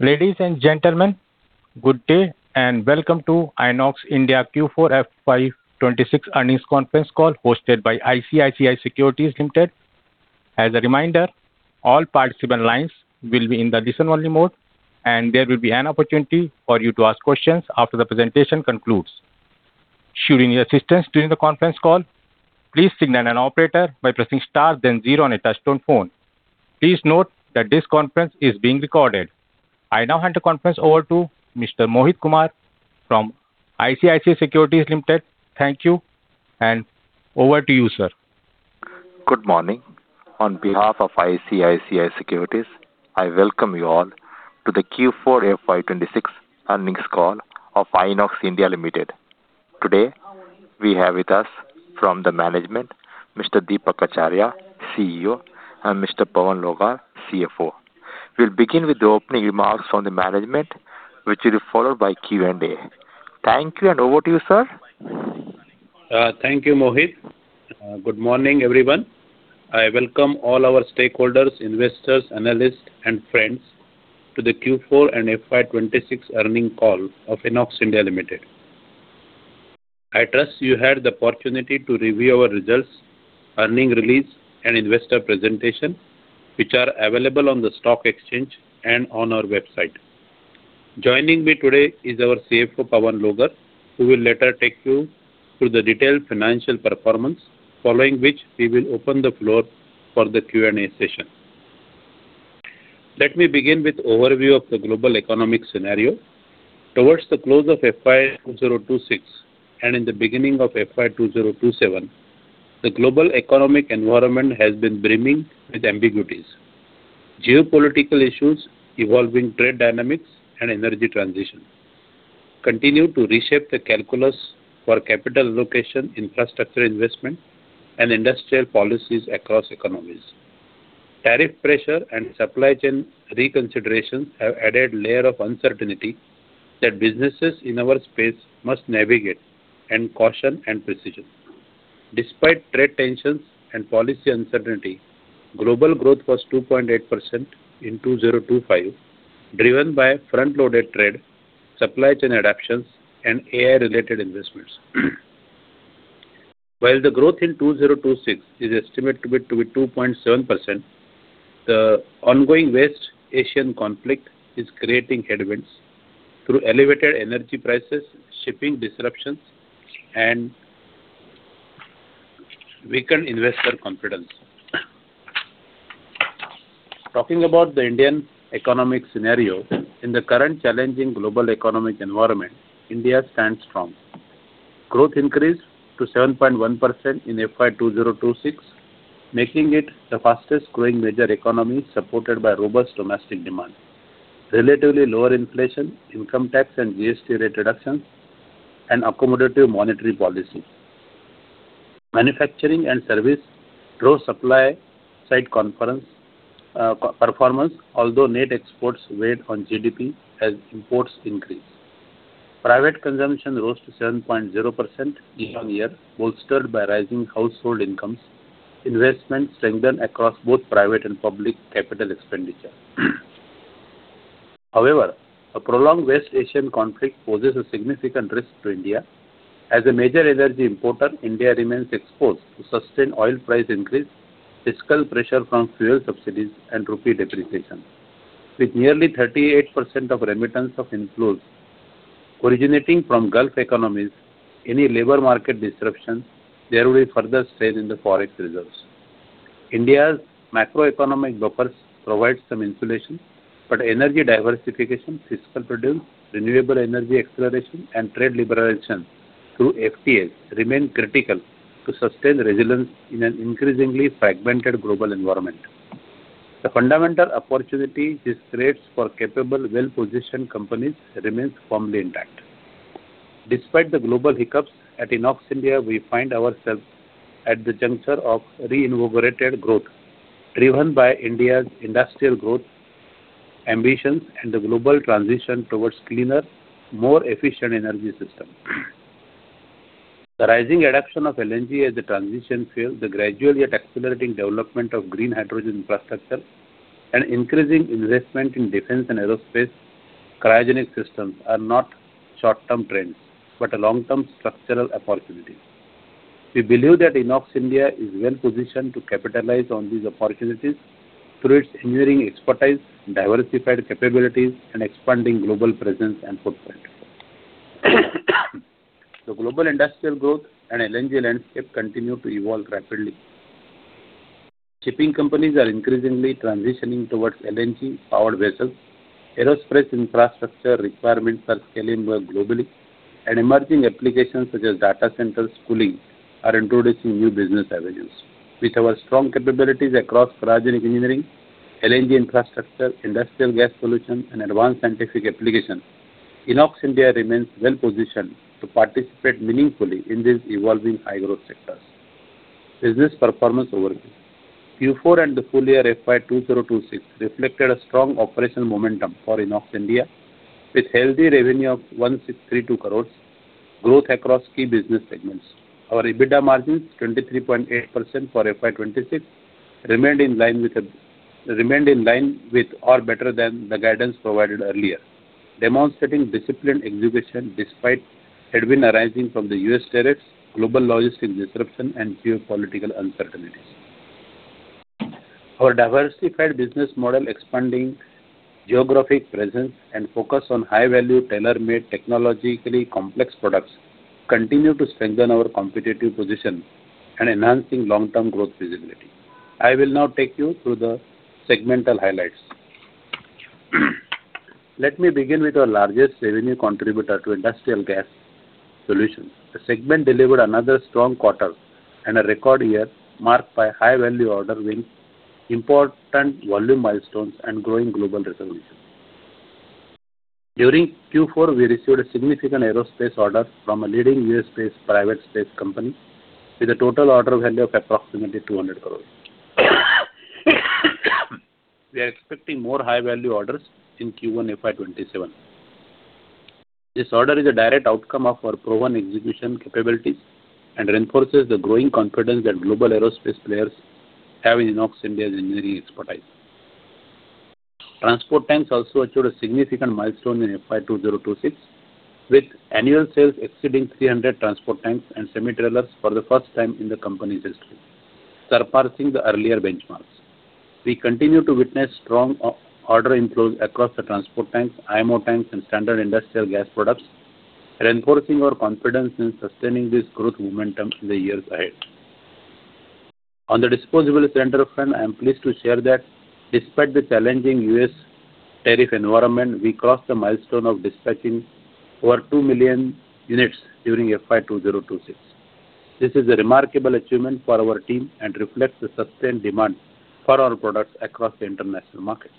Ladies and gentlemen, good day, and welcome to INOX India Q4 FY 2026 earnings conference call hosted by ICICI Securities Ltd. As a reminder, all participant lines will be in the listen-only mode, and there will be an opportunity for you to ask questions after the presentation concludes. Should you need assistance during the conference call, please signal an operator by pressing star then zero on a touch-tone phone. Please note that this conference is being recorded. I now hand the conference over to Mr. Mohit Kumar from ICICI Securities Ltd. Thank you, and over to you, sir. Good morning. On behalf of ICICI Securities, I welcome you all to the Q4 FY 2026 earnings call of INOX India Limited. Today, we have with us from the management, Mr. Deepak Acharya, CEO, and Mr. Pavan Logar, CFO. We'll begin with the opening remarks from the management, which will be followed by Q&A. Thank you, and over to you, sir. Thank you, Mohit. Good morning, everyone. I welcome all our stakeholders, investors, analysts, and friends to the Q4 and FY 2026 earning call of INOX India Limited. I trust you had the opportunity to review our results, earning release, and investor presentation, which are available on the stock exchange and on our website. Joining me today is our CFO, Pavan Logar, who will later take you through the detailed financial performance, following which we will open the floor for the Q&A session. Let me begin with overview of the global economic scenario. Towards the close of FY 2026 and in the beginning of FY 2027, the global economic environment has been brimming with ambiguities. Geopolitical issues, evolving trade dynamics, and energy transition continue to reshape the calculus for capital allocation, infrastructure investment, and industrial policies across economies. Tariff pressure and supply chain reconsiderations have added layer of uncertainty that businesses in our space must navigate in caution and precision. Despite trade tensions and policy uncertainty, global growth was 2.8% in 2025, driven by front-loaded trade, supply chain adaptations, and AI-related investments. While the growth in 2026 is estimated to be 2.7%, the ongoing West Asian conflict is creating headwinds through elevated energy prices, shipping disruptions, and weakened investor confidence. Talking about the Indian economic scenario, in the current challenging global economic environment, India stands strong. Growth increased to 7.1% in FY 2026, making it the fastest-growing major economy supported by robust domestic demand, relatively lower inflation, income tax, and GST rate reductions, and accommodative monetary policy. Manufacturing and service drove supply side confidence, co-performance, although net exports weighed on GDP as imports increased. Private consumption rose to 7.0% year-on-year, bolstered by rising household incomes. Investment strengthened across both private and public capital expenditure. However, a prolonged West Asian conflict poses a significant risk to India. As a major energy importer, India remains exposed to sustained oil price increase, fiscal pressure from fuel subsidies, and rupee depreciation. With nearly 38% of remittance of inflows originating from Gulf economies, any labor market disruption, there will be further strain in the forex reserves. India's macroeconomic buffers provide some insulation, but energy diversification, fiscal prudence, renewable energy acceleration, and trade liberalization through FTAs remain critical to sustain resilience in an increasingly fragmented global environment. The fundamental opportunity this creates for capable, well-positioned companies remains firmly intact. Despite the global hiccups, at INOX India, we find ourselves at the juncture of reinvigorated growth, driven by India's industrial growth ambitions and the global transition towards cleaner, more efficient energy systems. The rising adoption of LNG as a transition fuel, the gradual yet accelerating development of green hydrogen infrastructure, and increasing investment in defense and aerospace cryogenic systems are not short-term trends, but a long-term structural opportunity. We believe that INOX India is well-positioned to capitalize on these opportunities through its engineering expertise, diversified capabilities, and expanding global presence and footprint. The global industrial growth and LNG landscape continue to evolve rapidly. Shipping companies are increasingly transitioning towards LNG-powered vessels. Aerospace infrastructure requirements are scaling up globally, and emerging applications such as data centers cooling are introducing new business avenues. With our strong capabilities across cryogenic engineering, LNG infrastructure, industrial gas solutions, and advanced scientific applications, INOX India remains well-positioned to participate meaningfully in these evolving high-growth sectors. Business performance overview. Q4 and the full year FY 2026 reflected a strong operational momentum for INOX India with healthy revenue of 1,632 crore. Growth across key business segments. Our EBITDA margins 23.8% for FY 2026 remained in line with or better than the guidance provided earlier, demonstrating disciplined execution despite headwind arising from the U.S. tariffs, global logistics disruption, and geopolitical uncertainties. Our diversified business model, expanding geographic presence, and focus on high-value, tailor-made, technologically complex products continue to strengthen our competitive position and enhancing long-term growth visibility. I will now take you through the segmental highlights. Let me begin with our largest revenue contributor to industrial gas solutions. The segment delivered another strong quarter and a record year marked by high value order wins, important volume milestones, and growing global reservations. During Q4, we received a significant aerospace order from a leading U.S.-based private space company with a total order value of approximately 200 crore. We are expecting more high-value orders in Q1 FY 2027. This order is a direct outcome of our proven execution capabilities and reinforces the growing confidence that global aerospace players have in INOX India's engineering expertise. transport tanks also achieved a significant milestone in FY 2026, with annual sales exceeding 300 transport tanks and semi-trailers for the first time in the company's history, surpassing the earlier benchmarks. We continue to witness strong order inflow across the transport tanks, ISO tanks, and standard industrial gas products, reinforcing our confidence in sustaining this growth momentum in the years ahead. On the disposable cylinder front, I am pleased to share that despite the challenging U.S. tariff environment, we crossed the milestone of dispatching over 2 million units during FY 2026. This is a remarkable achievement for our team and reflects the sustained demand for our products across the international markets.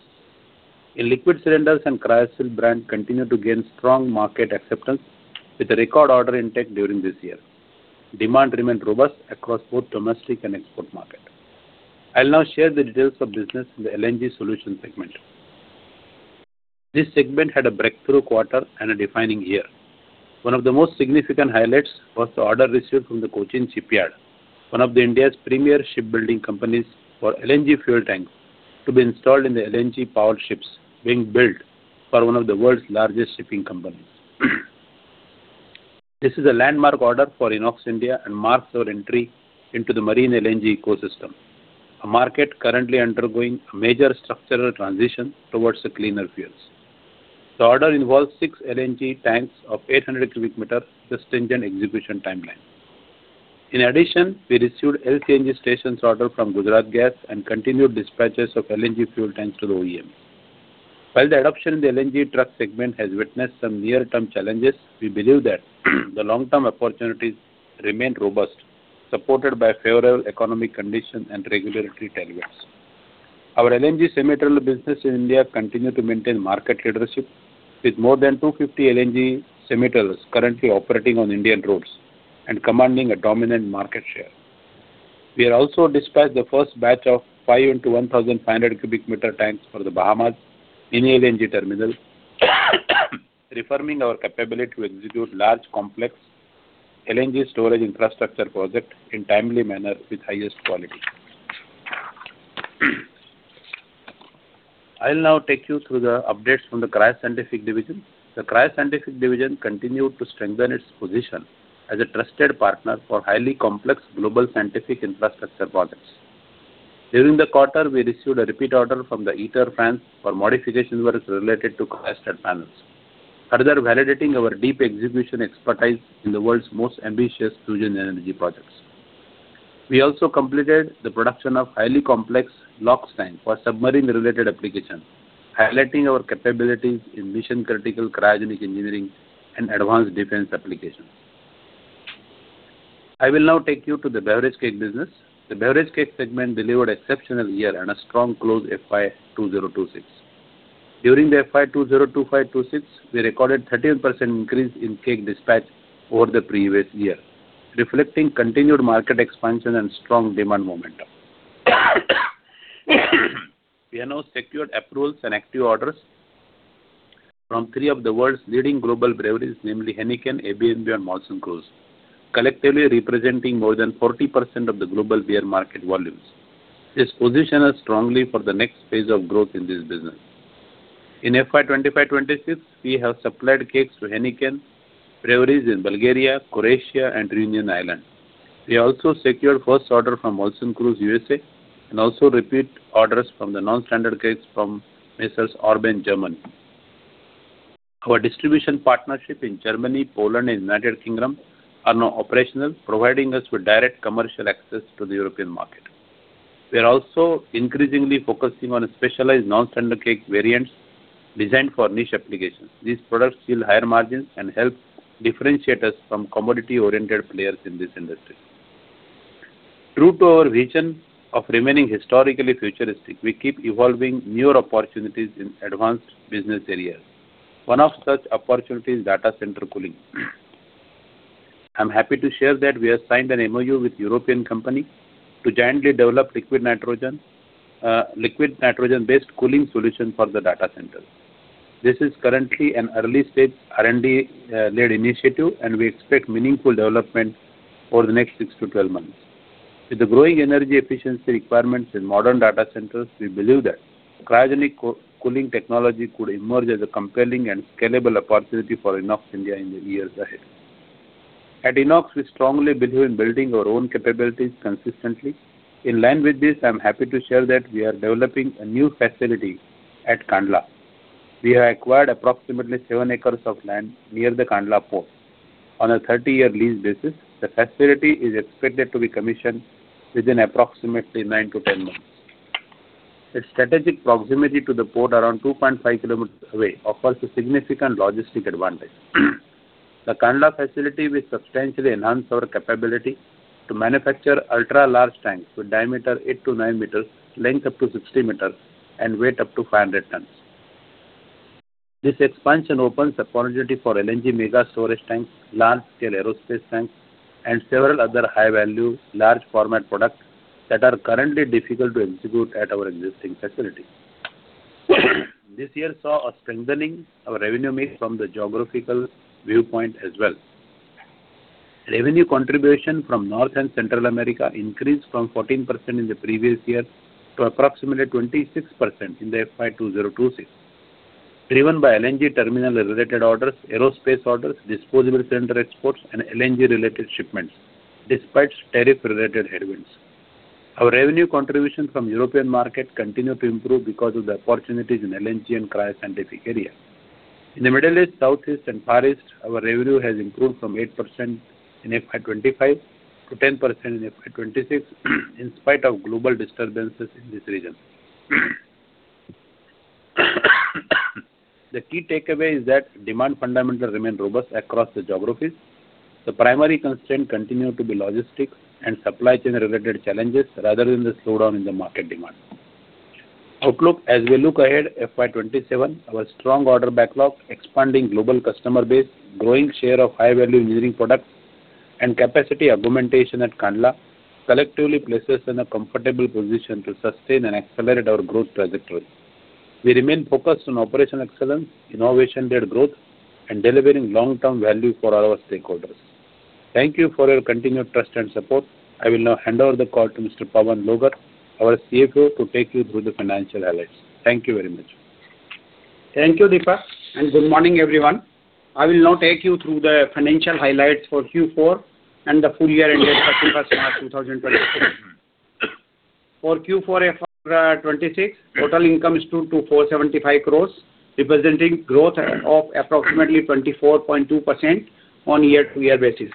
In liquid cylinders and Cryoseal brand continue to gain strong market acceptance with a record order intake during this year. Demand remained robust across both domestic and export market. I'll now share the details of business in the LNG solution segment. This segment had a breakthrough quarter and a defining year. One of the most significant highlights was the order received from the Cochin Shipyard, one of India's premier shipbuilding companies for LNG fuel tanks to be installed in the LNG-powered ships being built for one of the world's largest shipping companies. This is a landmark order for INOX India and marks our entry into the marine LNG ecosystem, a market currently undergoing a major structural transition towards the cleaner fuels. The order involves six LNG tanks of 800 cu m with stringent execution timeline. In addition, we received LNG stations order from Gujarat Gas and continued dispatches of LNG fuel tanks to the OEMs. While the adoption in the LNG truck segment has witnessed some near-term challenges, we believe that the long-term opportunities remain robust, supported by favorable economic conditions and regulatory tailwinds. Our LNG semi-trailer business in India continue to maintain market leadership with more than 250 LNG semi-trailers currently operating on Indian roads and commanding a dominant market share. We have also dispatched the first batch of five, 1,500 cu m tanks for the Bahamas Mini LNG Terminal, reaffirming our capability to execute large complex LNG storage infrastructure project in timely manner with highest quality. I'll now take you through the updates from the Cryo-Scientific division. The Cryo-Scientific division continued to strengthen its position as a trusted partner for highly complex global scientific infrastructure projects. During the quarter, we received a repeat order from the ITER, France for modification works related to cryostat panels, further validating our deep execution expertise in the world's most ambitious fusion energy projects. We also completed the production of highly complex LOX tank for submarine-related applications, highlighting our capabilities in mission-critical cryogenic engineering and advanced defense applications. I will now take you to the beverage keg business. The beverage keg segment delivered exceptional year-end and a strong close FY 2026. During the FY 2025-2026, we recorded 13% increase in keg dispatch over the previous year, reflecting continued market expansion and strong demand momentum. We have now secured approvals and active orders from three of the world's leading global breweries, namely Heineken, AB InBev, and Molson Coors, collectively representing more than 40% of the global beer market volumes. This position is strongly for the next phase of growth in this business. In FY 2025, 2026, we have supplied kegs to Heineken breweries in Bulgaria, Croatia, and Reunion Island. We also secured first order from Molson Coors USA and also repeat orders from the non-standard kegs from Messrs. Urban Germany. Our distribution partnership in Germany, Poland, and United Kingdom are now operational, providing us with direct commercial access to the European market. We are also increasingly focusing on specialized non-standard keg variants designed for niche applications. These products yield higher margins and help differentiate us from commodity-oriented players in this industry. True to our vision of remaining historically futuristic, we keep evolving newer opportunities in advanced business areas. One of such opportunity is data center cooling. I'm happy to share that we have signed an MOU with European company to jointly develop liquid nitrogen, liquid nitrogen-based cooling solution for the data centers. This is currently an early-stage R&D led initiative, and we expect meaningful development over the next six to 12 months. With the growing energy efficiency requirements in modern data centers, we believe that cryogenic co-cooling technology could emerge as a compelling and scalable opportunity for INOX India in the years ahead. At INOX, we strongly believe in building our own capabilities consistently. In line with this, I'm happy to share that we are developing a new facility at Kandla. We have acquired approximately 7 acres of land near the Kandla port on a 30-year lease basis. The facility is expected to be commissioned within approximately nine to 10 months. Its strategic proximity to the port around 2.5 km away offers a significant logistic advantage. The Kandla facility will substantially enhance our capability to manufacture ultra-large tanks with diameter 8-9 m, length up to 60 m and weight up to 500 tonnes. This expansion opens opportunity for LNG mega storage tanks, large-scale aerospace tanks and several other high-value large format products that are currently difficult to execute at our existing facility. This year saw a strengthening of revenue mix from the geographical viewpoint as well. Revenue contribution from North and Central America increased from 14% in the previous year to approximately 26% in the FY 2026, driven by LNG terminal related orders, aerospace orders, disposable cylinder exports and LNG related shipments despite tariff related headwinds. Our revenue contribution from European market continue to improve because of the opportunities in LNG and Cryo-Scientific area. In the Middle East, Southeast and Far East, our revenue has improved from 8% in FY 2025 to 10% in FY 2026 in spite of global disturbances in this region. The key takeaway is that demand fundamentals remain robust across the geographies. The primary constraint continue to be logistics and supply chain related challenges rather than the slowdown in the market demand. Outlook. As we look ahead FY 2027, our strong order backlog, expanding global customer base, growing share of high-value engineering products and capacity augmentation at Kandla collectively places in a comfortable position to sustain and accelerate our growth trajectory. We remain focused on operational excellence, innovation-led growth and delivering long-term value for all our stakeholders. Thank you for your continued trust and support. I will now hand over the call to Mr. Pavan Logar, our CFO, to take you through the financial highlights. Thank you very much. Thank you, Deepak, and good morning, everyone. I will now take you through the financial highlights for Q4 and the full year ended March 31, 2026. For Q4 FY 2026, total income stood to INR 475 crore, representing growth of approximately 24.2% on year-over-year basis,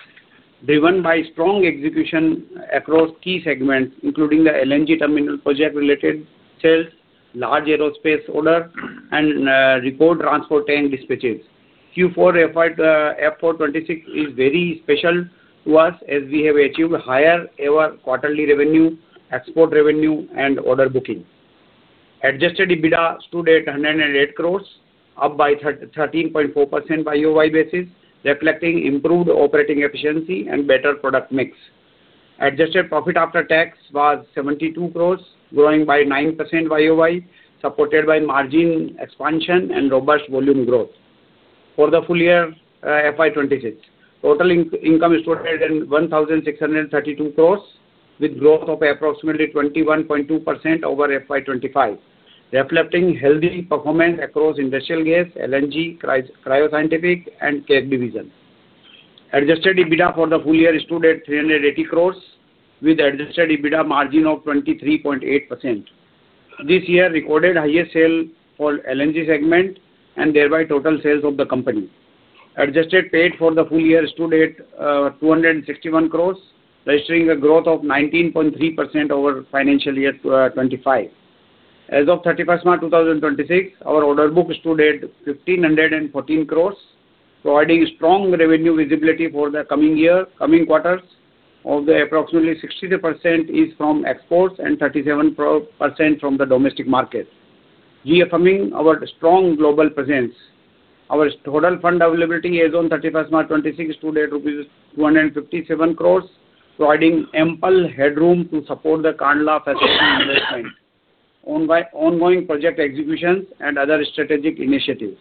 driven by strong execution across key segments, including the LNG terminal project related sales, large aerospace order and record transport tank dispatches. Q4 FY 2026 is very special to us as we have achieved higher ever quarterly revenue, export revenue and order booking. Adjusted EBITDA stood at 108 crore, up by 13.4% YoY basis, reflecting improved operating efficiency and better product mix. Adjusted profit after tax was 72 crore, growing by 9% YoY, supported by margin expansion and robust volume growth. For the full year, FY 2026, total income stood at 1,632 crores with growth of approximately 21.2% over FY 2025, reflecting healthy performance across Industrial Gas, LNG, Cryo-Scientific and Keg division. Adjusted EBITDA for the full year stood at 380 crores with adjusted EBITDA margin of 23.8%. This year recorded highest sale for LNG segment and thereby total sales of the company. Adjusted PAT for the full year stood at 261 crores, registering a growth of 19.3% over financial year 2025. As of March 31, 2026, our order book stood at 1,514 crores, providing strong revenue visibility for the coming year, coming quarters. Of the approximately 60% is from exports and 37% from the domestic market, reaffirming our strong global presence. Our total fund availability as on March 31st, 2026 stood at rupees 257 crores, providing ample headroom to support the Kandla facility investment, ongoing project executions and other strategic initiatives.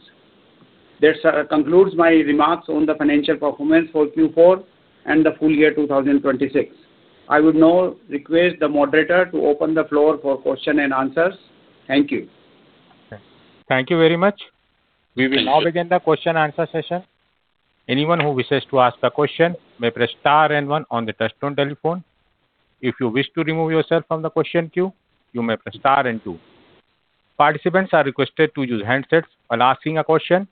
This concludes my remarks on the financial performance for Q4 and the full year 2026. I would now request the moderator to open the floor for question and answers. Thank you. Thank you very much. We will now begin the question answer session. Anyone who wishes to ask a question may press star one on the touch-tone telephone. If you wish to remove yourself from the question queue, you may press star two. Participants are requested to use handsets when asking a question.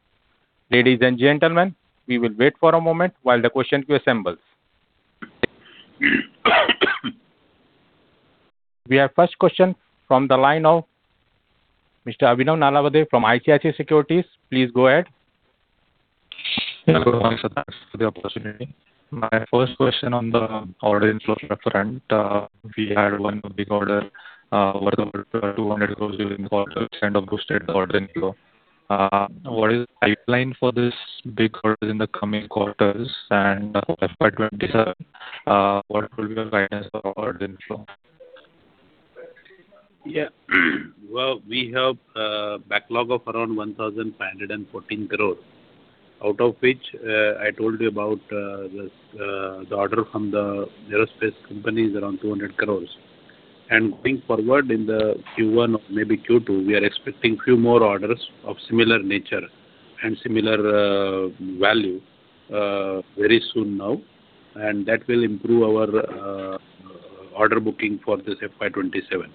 Ladies and gentlemen, we will wait for a moment while the question queue assembles. We have first question from the line of Mr. Abhinav Nalawade from ICICI Securities. Please go ahead. Hello. Thanks for the opportunity. My first question on the order inflow front. We had one big order worth over 200 crore during the quarter, which kind of boosted the order inflow. What is the pipeline for these big orders in the coming quarters and, FY 2027, what will be your guidance for order inflow? Yeah. Well, we have backlog of around 1,514 crore. Out of which, I told you about this, the order from the aerospace company is around 200 crore. Going forward in the Q1 or maybe Q2, we are expecting few more orders of similar nature and similar value very soon now, and that will improve our order booking for this FY 2027.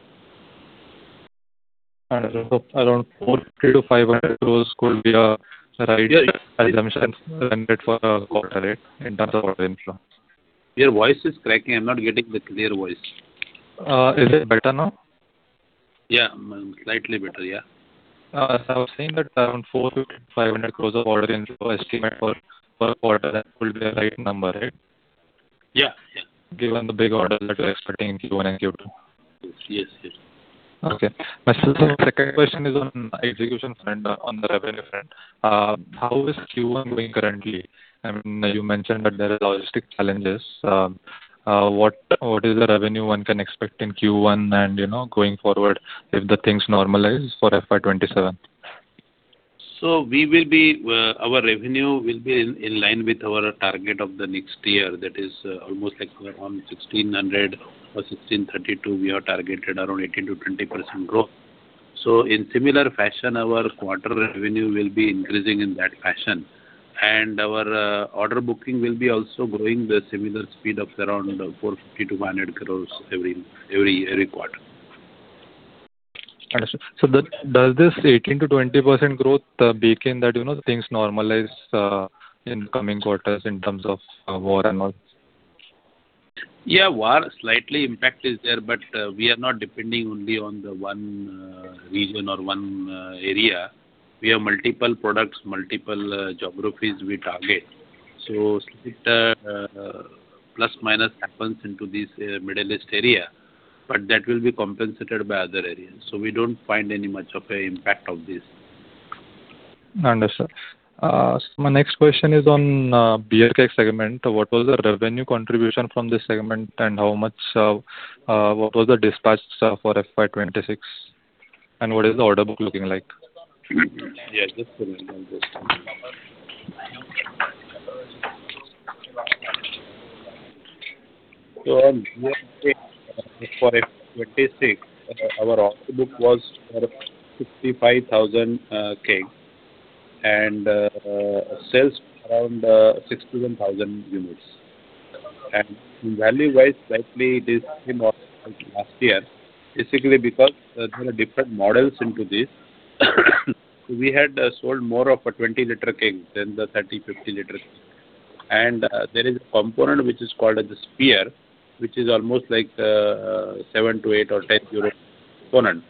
Around 400 crore-500 crore could be a right assumption for quarter, right? In terms of order inflow. Your voice is cracking. I'm not getting the clear voice. Is it better now? Yeah. Slightly better. Yeah. As I was saying that around 400 crore-500 crore of order inflow estimate for, per quarter that could be a right number, right? Yeah. Yeah. Given the big order that you're expecting in Q1 and Q2. Yes. Yes. Okay. My second question is on execution front, on the revenue front. How is Q1 going currently? I mean, you mentioned that there are logistic challenges. What is the revenue one can expect in Q1 and, you know, going forward if the things normalize for FY 2027? We will be, our revenue will be in line with our target of the next year. That is almost like around 1,600 or 1,632. We have targeted around 18%-20% growth. In similar fashion, our quarter revenue will be increasing in that fashion. Our order booking will be also growing with similar speed of around 450 crore-500 crore every quarter. Understood. Does this 18%-20% growth bake in that, you know, things normalize in coming quarters in terms of war and all? Yeah. War slightly impact is there. We are not depending only on the one region or one area. We have multiple products, multiple geographies we target. Slight plus minus happens into this Middle East area, but that will be compensated by other areas. We don't find any much of a impact of this. Understood. My next question is on Bev Keg segment. What was the revenue contribution from this segment, and how much was the dispatch for FY 2026? What is the order book looking like? Yeah. Just a minute. One second. On Bev Keg for FY 2026, our order book was around 65,000 keg, and sales around 61,000 units. Value-wise, slightly it is similar to last year. Basically because there are different models into this. We had sold more of a 20 L keg than the 30, 50 L. There is a component which is called as the spear, which is almost like [7- 8 or 10 euro] component.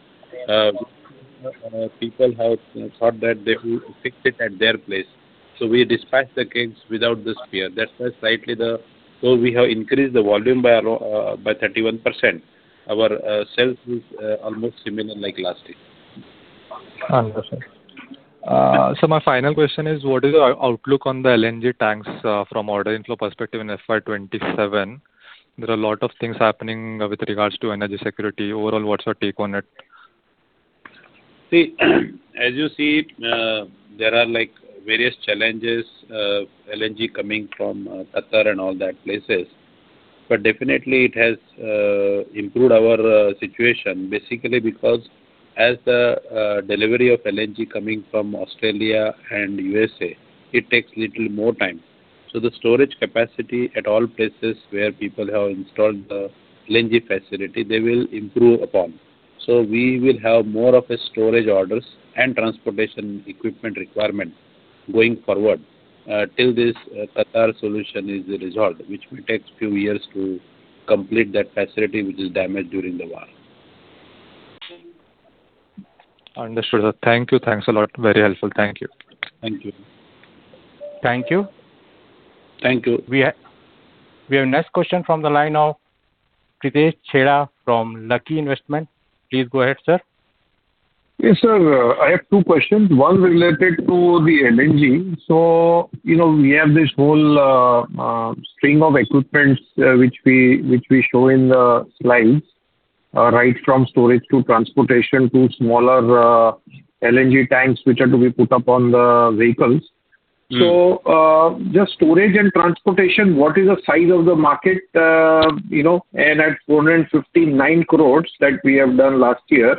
People have thought that they will fix it at their place. We dispatch the kegs without the spear. That's why slightly we have increased the volume by 31%. Our sales is almost similar like last year. Understood. My final question is, what is your outlook on the LNG tanks from order inflow perspective in FY 2027? There are a lot of things happening with regards to energy security. Overall, what's your take on it? See, as you see, there are, like, various challenges, LNG coming from Qatar and all that places. Definitely it has improved our situation. Basically because as the delivery of LNG coming from Australia and U.S.A., it takes little more time. The storage capacity at all places where people have installed the LNG facility, they will improve upon. We will have more of a storage orders and transportation equipment requirement going forward, till this Qatar solution is resolved, which will take few years to complete that facility which is damaged during the war. Understood, sir. Thank you. Thanks a lot. Very helpful. Thank you. Thank you. Thank you. We have next question from the line of Pritesh Chheda from Lucky Investment. Please go ahead, sir. Yes, sir. I have two questions, one related to the LNG. You know, we have this whole string of equipments which we show in the slides, right from storage to transportation to smaller LNG tanks which are to be put up on the vehicles. Just storage and transportation, what is the size of the market, you know? At 459 crore that we have done last year,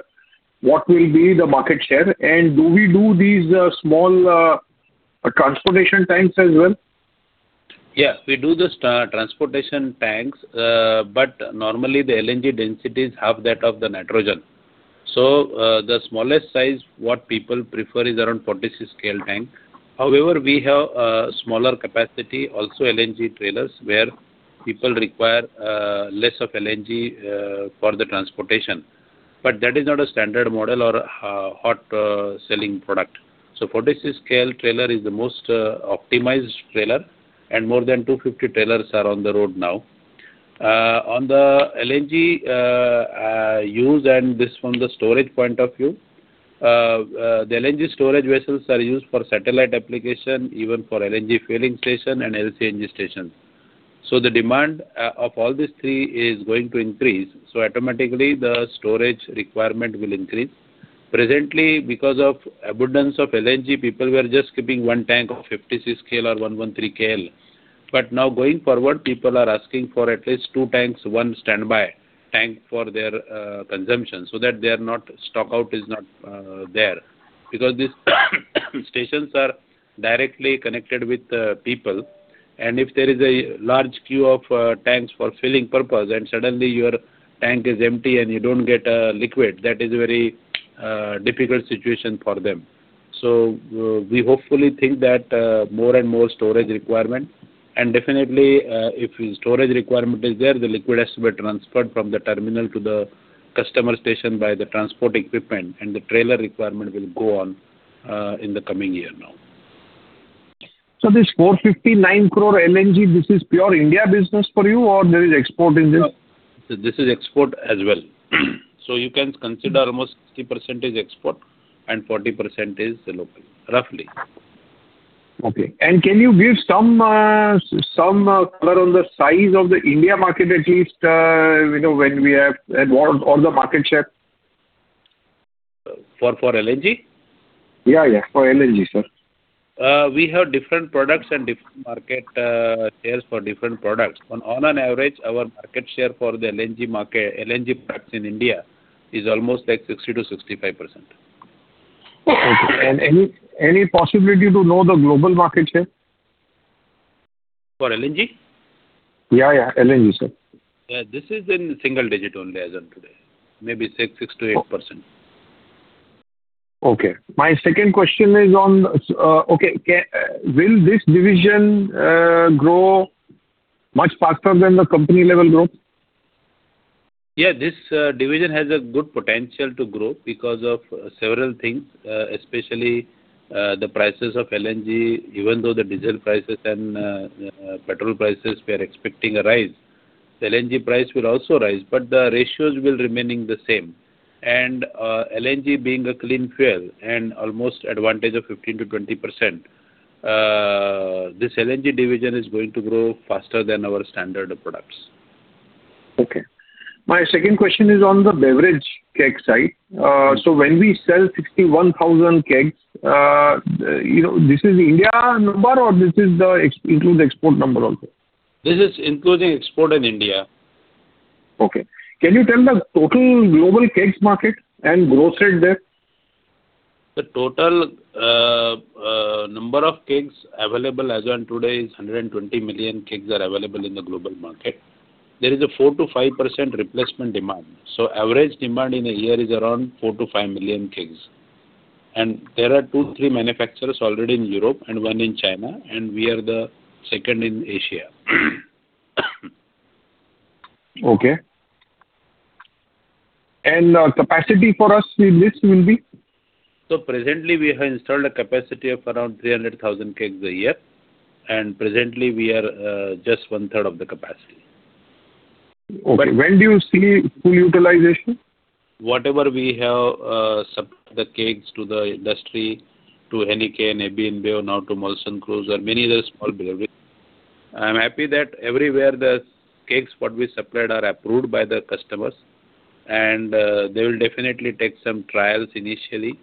what will be the market share? Do we do these small transport tanks as well? Yeah, we do the transportation tanks. Normally the LNG density is half that of the nitrogen. The smallest size what people prefer is around 46 scale tank. However, we have smaller capacity also LNG trailers where people require less of LNG for the transportation. That is not a standard model or a hot selling product. 46 scale trailer is the most optimized trailer, and more than 250 trailers are on the road now. On the LNG use and this from the storage point of view, the LNG storage vessels are used for satellite application, even for LNG filling station and LNG station. The demand of all these three is going to increase, automatically the storage requirement will increase. Presently, because of abundance of LNG, people were just keeping one tank of 56 KL or 113 KL. Now going forward, people are asking for at least two tanks, one standby tank for their consumption so that they are not stock out is not there. These stations are directly connected with the people, and if there is a large queue of tanks for filling purpose and suddenly your tank is empty and you don't get liquid, that is very difficult situation for them. We hopefully think that more and more storage requirement. Definitely, if storage requirement is there, the liquid has to be transferred from the terminal to the customer station by the transport equipment, and the trailer requirement will go on in the coming year now. This 459 crore LNG, this is pure India business for you or there is export in this? No. This is export as well. You can consider almost 60% is export and 40% is the local, roughly. Okay. Can you give some color on the size of the India market at least, you know, when we have involved or the market share? For LNG? Yeah, yeah, for LNG, sir. We have different products and different market shares for different products. On an average, our market share for the LNG products in India is almost like 60%-65%. Okay. Any possibility to know the global market share? For LNG? Yeah, yeah, LNG, sir. This is in single digit only as on today. Maybe 6%-8%. Okay. My second question is on, will this division grow much faster than the company level growth? Yeah, this division has a good potential to grow because of several things, especially the prices of LNG. Even though the diesel prices and petrol prices we are expecting a rise, the LNG price will also rise, but the ratios will remaining the same. LNG being a clean fuel and almost advantage of 15%-20%, this LNG division is going to grow faster than our standard products. Okay. My second question is on the beverage keg side. When we sell 61,000 kegs, you know, this is India number or this includes export number also? This is including export and India. Okay. Can you tell the total global kegs market and growth rate there? The total number of kegs available as on today is 120 million kegs are available in the global market. There is a 4%-5% replacement demand. Average demand in a year is around 4-5 million kegs. There are two, three manufacturers already in Europe and one in China, and we are the second in Asia. Okay. Capacity for us in this will be? Presently, we have installed a capacity of around 300,000 kegs a year, and presently we are just one-third of the capacity. Okay. When do you see full utilization? Whatever we have supplied the kegs to the industry, to Heineken, AB InBev, now to Molson Coors and many of the small breweries. I'm happy that everywhere the kegs what we supplied are approved by the customers and, they will definitely take some trials initially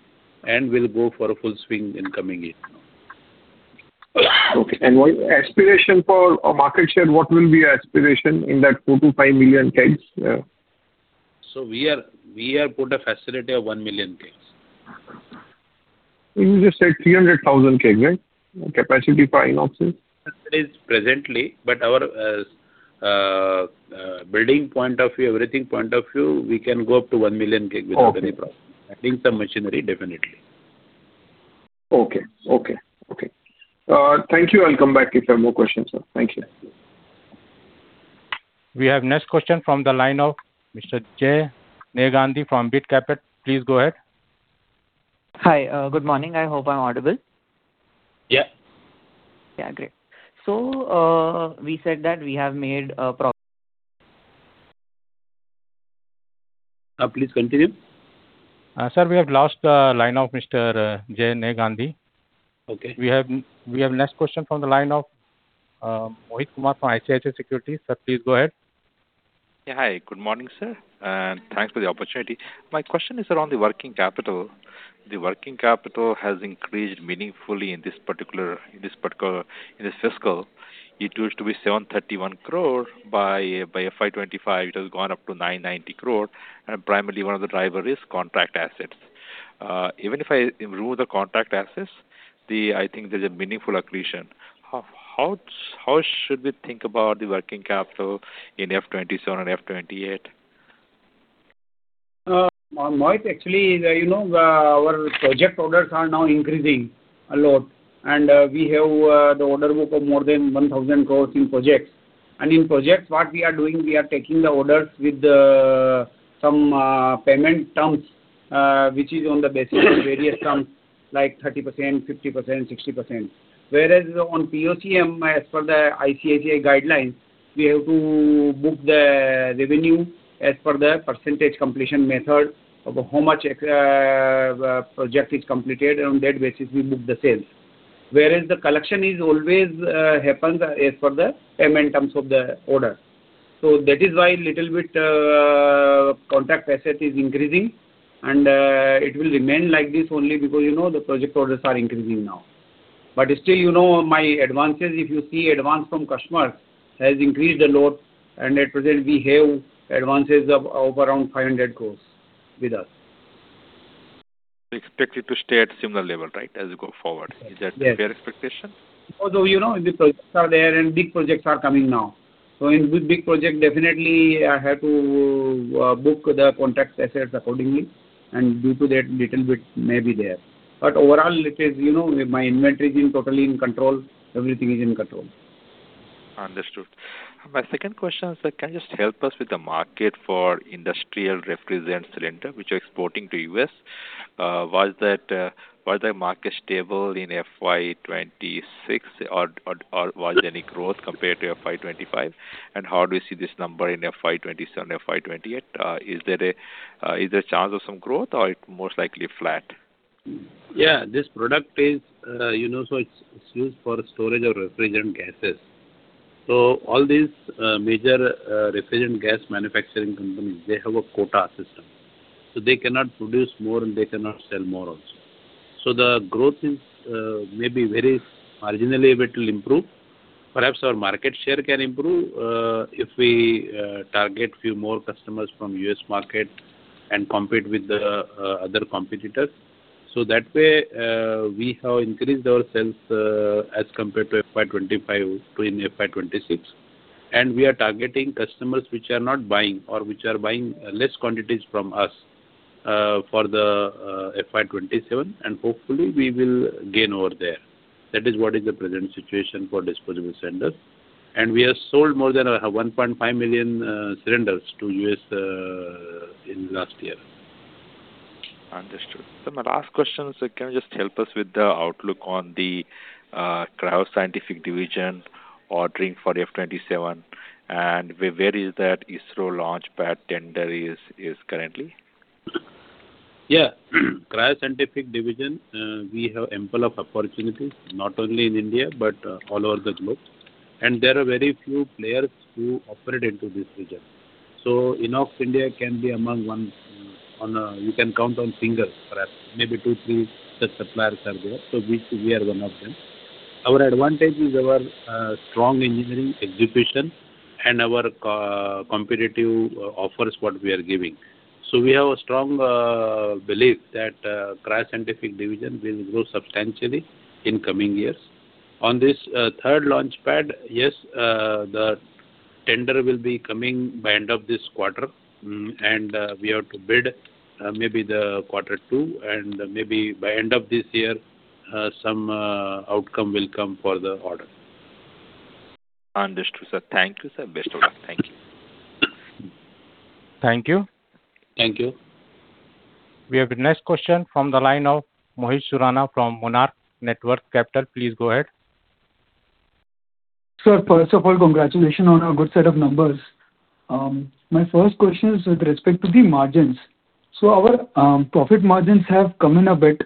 and will go for a full swing in coming year now. Okay. What aspiration for a market share, what will be your aspiration in that 4-5 million kegs? We have put a facility of 1 million kegs. You just said 300,000 keg, right? Capacity for INOX. That is presently, but our building point of view, everything point of view, we can go up to 1 million keg without any problem. Okay. Adding some machinery, definitely. Okay. Okay. Okay. Thank you. I'll come back if I have more questions, sir. Thank you. We have next question from the line of Mr. Jay Neegandi from BIT Capital. Please go ahead. Hi. good morning. I hope I'm audible. Yeah. Yeah, great. We said that we have made a. Please continue. Sir, we have lost the line of Mr Jay Neegandi. Okay. We have next question from the line of Mohit Kumar from ICICI Securities. Sir, please go ahead. Yeah, hi. Good morning, sir, and thanks for the opportunity. My question is around the working capital. The working capital has increased meaningfully in this particular fiscal. It used to be 731 crore. By FY 2025 it has gone up to 990 crore, and primarily one of the driver is contract assets. Even if I remove the contract assets, I think there's a meaningful accretion. How should we think about the working capital in FY 2027 and FY 2028? Mohit, actually, you know, our project orders are now increasing a lot, we have, the order book of more than 1,000 crores in projects. In projects what we are doing, we are taking the orders with, some, payment terms, which is on the basis of various terms. 30%, 50%, 60%. On POCM, as per the ICICI guidelines, we have to book the revenue as per the percentage completion method of how much project is completed. On that basis, we book the sales. The collection is always happens as per the payment terms of the order. That is why little bit contract asset is increasing, and it will remain like this only because, you know, the project orders are increasing now. Still, you know, my advances, if you see advance from customers has increased a lot, and at present we have advances of around 500 crores with us. Expected to stay at similar level, right, as you go forward? Yes. Is that a fair expectation? Although, you know, the projects are there and big projects are coming now. In big project, definitely I have to book the contract assets accordingly, and due to that, little bit may be there. Overall it is, you know, my inventory is in totally in control. Everything is in control. Understood. My second question, sir: can you just help us with the market for industrial refrigerant cylinder which you're exporting to U.S.? Was the market stable in FY 2026 or was there any growth compared to FY 2025? How do you see this number in FY 2027, FY 2028? Is there a chance of some growth or it most likely flat? Yeah. This product is, you know, it's used for storage of refrigerant gases. All these major refrigerant gas manufacturing companies, they have a quota system. They cannot produce more and they cannot sell more also. The growth is maybe very marginally, if it will improve. Perhaps our market share can improve if we target few more customers from U.S. market and compete with the other competitors. That way, we have increased our sales as compared to FY 2025 to in FY 2026. We are targeting customers which are not buying or which are buying less quantities from us for the FY 2027, and hopefully we will gain over there. That is what is the present situation for disposable cylinder. We have sold more than 1.5 million cylinders to U.S. in last year. Understood. My last question, sir, can you just help us with the outlook on the Cryo-Scientific division ordering for FY 2027, and where is that ISRO launch pad tender is currently? Cryo-Scientific division, we have ample of opportunities, not only in India, but all over the globe. There are very few players who operate into this region. INOX India can be among one, on a You can count on finger, perhaps maybe two, three such suppliers are there. We are one of them. Our advantage is our strong engineering execution and our competitive offers what we are giving. We have a strong belief that Cryo-Scientific division will grow substantially in coming years. On this third launch pad, yes, the tender will be coming by end of this quarter. We have to bid, maybe the quarter two, and maybe by end of this year, some outcome will come for the order. Understood, sir. Thank you, sir. Best of luck. Thank you. Thank you. Thank you. We have the next question from the line of Mohit Surana from Monarch Networth Capital. Please go ahead. Sir, first of all, congratulations on a good set of numbers. My first question is with respect to the margins. Our profit margins have come in a bit.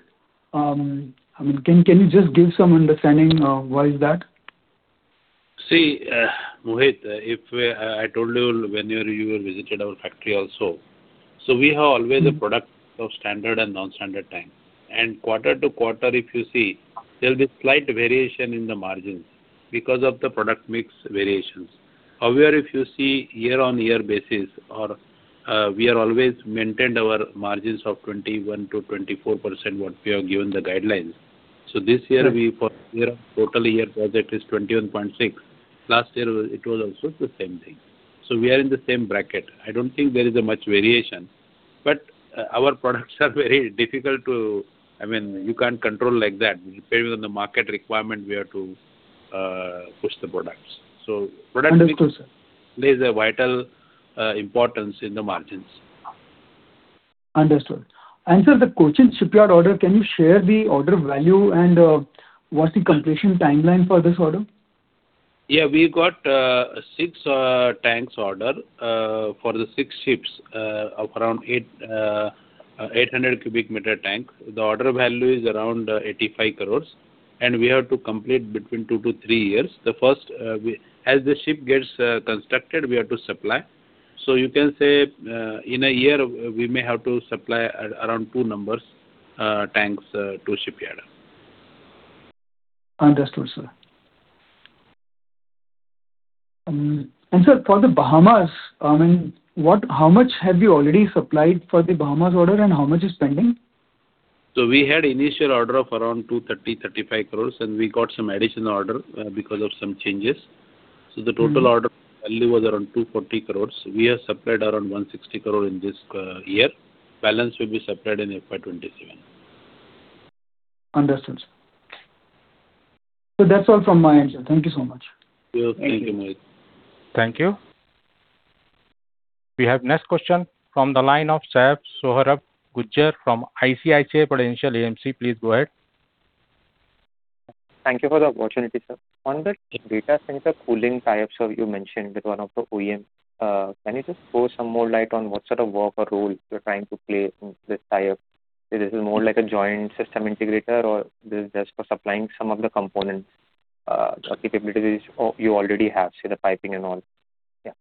I mean, can you just give some understanding, why is that? See, Mohit, if I told you when you visited our factory also. We have always a product of standard and non-standard tank. Quarter-to-quarter, if you see, there'll be slight variation in the margins because of the product mix variations. However, if you see year-on-year basis, we have always maintained our margins of 21%-24% what we have given the guidelines. This year- Yes. We, for year, total year project is 21.6%. Last year it was also the same thing. We are in the same bracket. I don't think there is a much variation. Our products are very difficult to I mean, you can't control like that. Based on the market requirement, we have to push the products. Understood, sir. Plays a vital importance in the margins. Understood. Sir, the Cochin Shipyard order, can you share the order value and what's the completion timeline for this order? Yeah. We got six tanks order for the six ships of around 800 cu m tank. The order value is around 85 crore, and we have to complete between two to three years. The first, as the ship gets constructed, we have to supply. You can say, in a year we may have to supply around two numbers tanks to shipyard. Understood, sir. Sir, for The Bahamas, I mean, how much have you already supplied for The Bahamas order and how much is pending? We had initial order of around 230 crore-235 crore, and we got some additional order because of some changes. The total order value was around 240 crore. We have supplied around 160 crore in this year. Balance will be supplied in FY 2027. Understood, sir. That's all from my end, sir. Thank you so much. Sure. Thank you, Mohit. Thank you. We have next question from the line of Saif Sohrab Gujar from ICICI Prudential AMC. Please go ahead. Thank you for the opportunity, sir. On the data center cooling tie-up, sir, you mentioned with one of the OEM, can you just throw some more light on what sort of work or role you're trying to play in this tie-up? Is it more like a joint system integrator or this is just for supplying some of the components, capabilities you already have, say the piping and all? Yeah.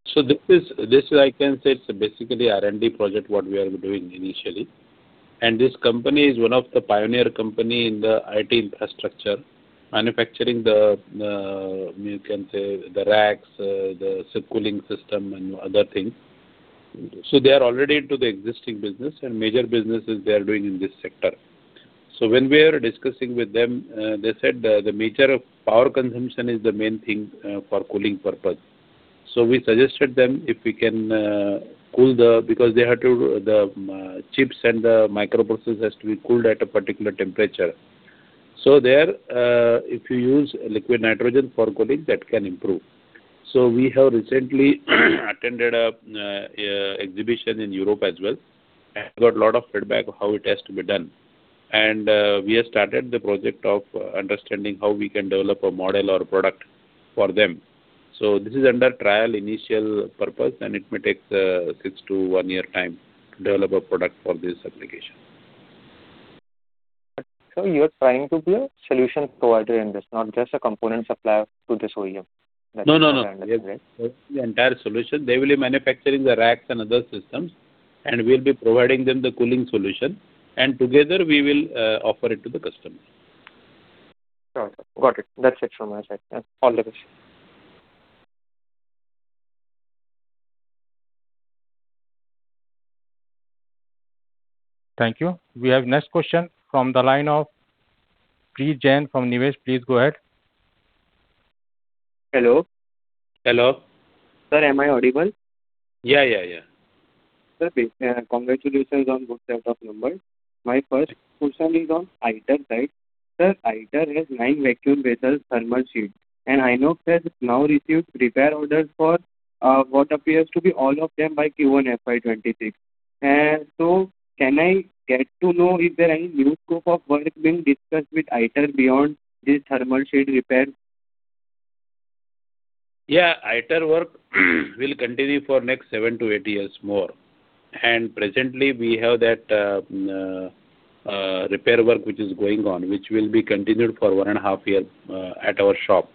This is I can say it's basically R&D project what we are doing initially. This company is one of the pioneer company in the IT infrastructure, manufacturing the, you can say, the racks, the subcooling system and other things. They are already into the existing business, and major businesses they are doing in this sector. When we are discussing with them, they said the major of power consumption is the main thing for cooling purpose. We suggested them if we can cool the because the chips and the microprocessor has to be cooled at a particular temperature. There, if you use liquid nitrogen for cooling, that can improve. We have recently attended a exhibition in Europe as well, and got lot of feedback of how it has to be done. We have started the project of understanding how we can develop a model or product for them. This is under trial initial purpose, and it may take six to one year time to develop a product for this application. Sir, you are trying to be a solution provider in this, not just a component supplier to this OEM that I understand, right? No, no. The entire solution. They will be manufacturing the racks and other systems, and we'll be providing them the cooling solution. Together we will offer it to the customers. Sure. Got it. That's it from my side. All the best. Thank you. We have next question from the line of Preet Jain from Nivesh. Please go ahead. Hello. Hello. Sir, am I audible? Yeah, yeah. Sir, congratulations on good set of numbers. My first question is on ITER side. Sir, ITER has nine vacuum vessels thermal shield, and INOX has now received repair orders for what appears to be all of them by Q1 FY 2026. Can I get to know if there are any new scope of work being discussed with ITER beyond this thermal shield repair? Yeah. ITER work will continue for next seven to eight years more. Presently we have that repair work which is going on, which will be continued for one and a half year at our shop.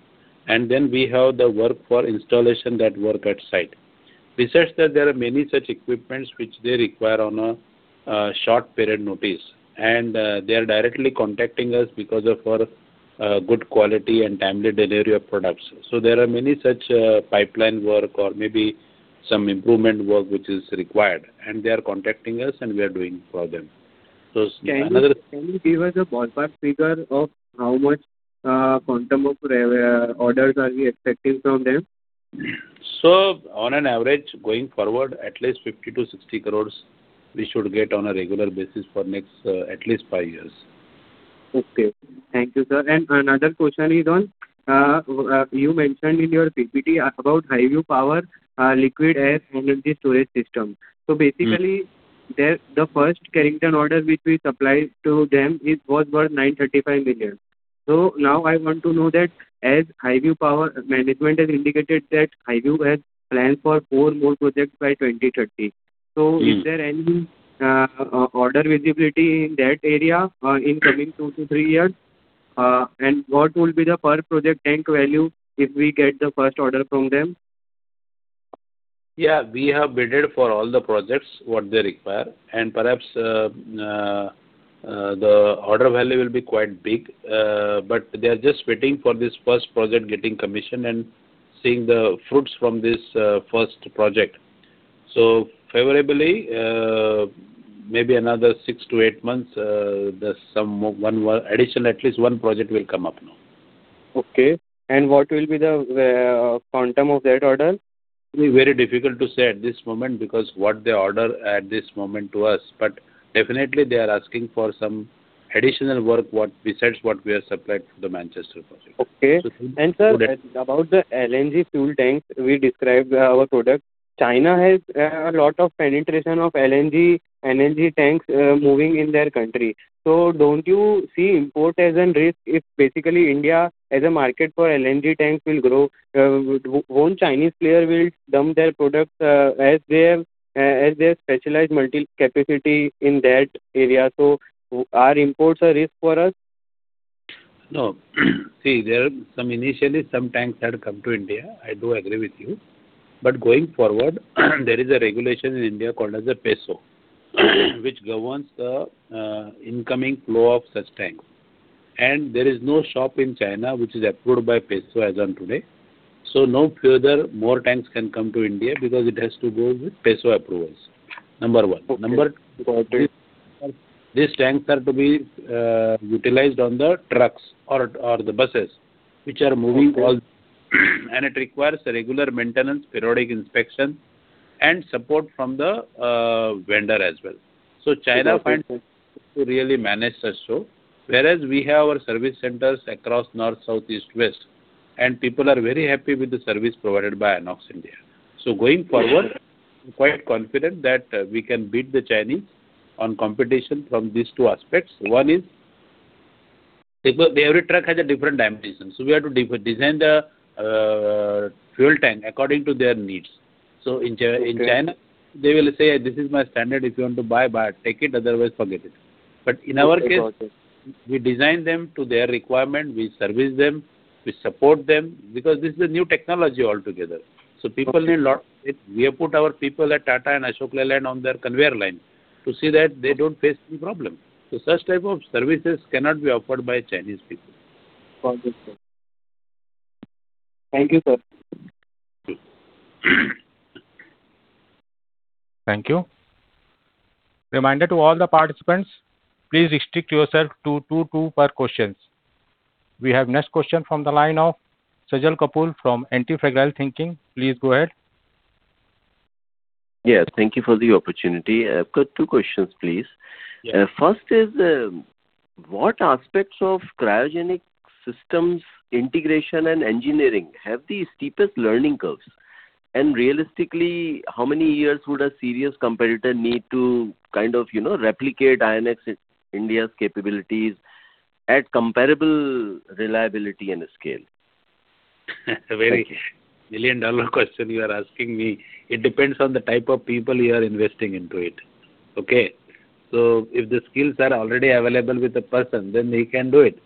We have the work for installation that work at site. Besides that, there are many such equipments which they require on a short period notice, and they are directly contacting us because of our good quality and timely delivery of products. There are many such pipeline work or maybe some improvement work which is required, and they are contacting us and we are doing for them. Can you give us a ballpark figure of how much quantum of orders are we expecting from them? On an average, going forward, at least 50-60 crores we should get on a regular basis for next at least five years. Okay. Thank you, sir. Another question is on, you mentioned in your PPT about Highview Power, liquid air energy storage system. Basically, the first Carrington order which we supplied to them was worth 935 million. Now I want to know that as Highview Power management has indicated that Highview has plans for four more projects by 2030. Is there any order visibility in that area in coming two to three years? What will be the per project tank value if we get the first order from them? Yeah. We have bidded for all the projects, what they require. Perhaps the order value will be quite big. They are just waiting for this first project getting commissioned and seeing the fruits from this first project. Favorably, maybe another six to eight months, there's some one more Additional at least one project will come up now. Okay. What will be the quantum of that order? It'll be very difficult to say at this moment, because what they order at this moment to us. Definitely they are asking for some additional work, besides what we have supplied to the Carrington project. Okay. So- Sir, about the LNG fuel tanks, we described our product. China has a lot of penetration of LNG tanks moving in their country. Don't you see import as a risk if basically India as a market for LNG tanks will grow, won't Chinese player will dump their products as they have as they have specialized multi capacity in that area? Are imports a risk for us? No. See, there some initially some tanks had come to India, I do agree with you. Going forward, there is a regulation in India called as a PESO, which governs the incoming flow of such tanks. There is no shop in China which is approved by PESO as on today. No further more tanks can come to India because it has to go with PESO approvals, number one. Okay. Got it. Number two, these tanks are to be utilized on the trucks or the buses, which are moving all. It requires regular maintenance, periodic inspection, and support from the vendor as well so China- Okay. Finds it to really manage as so. Whereas we have our service centers across north, south, east, west, and people are very happy with the service provided by INOX India. Going forward, I'm quite confident that we can beat the Chinese on competition from these two aspects. One is because every truck has a different dimensions, so we have to design the fuel tank according to their needs. In China- Okay. They will say, this is my standard. If you want to buy. Take it, otherwise forget it. In our case. Okay, got it. We design them to their requirement, we service them, we support them, because this is a new technology altogether. Okay. We have put our people at Tata and Ashok Leyland on their conveyor line to see that they don't face any problem. Such type of services cannot be offered by Chinese people. Got it, sir. Thank you, sir. Okay. Thank you. Reminder to all the participants, please restrict yourself to two per questions. We have next question from the line of Sajal Kapoor from Antifragile Thinking. Please go ahead. Yes, thank you for the opportunity. I've got two questions, please. Yes. First is, what aspects of cryogenic systems integration and engineering have the steepest learning curves? Realistically, how many years would a serious competitor need to kind of, you know, replicate INOX India's capabilities at comparable reliability and scale? A very million dollar question you are asking me. It depends on the type of people you are investing into it. Okay? If the skills are already available with the person, then they can do it.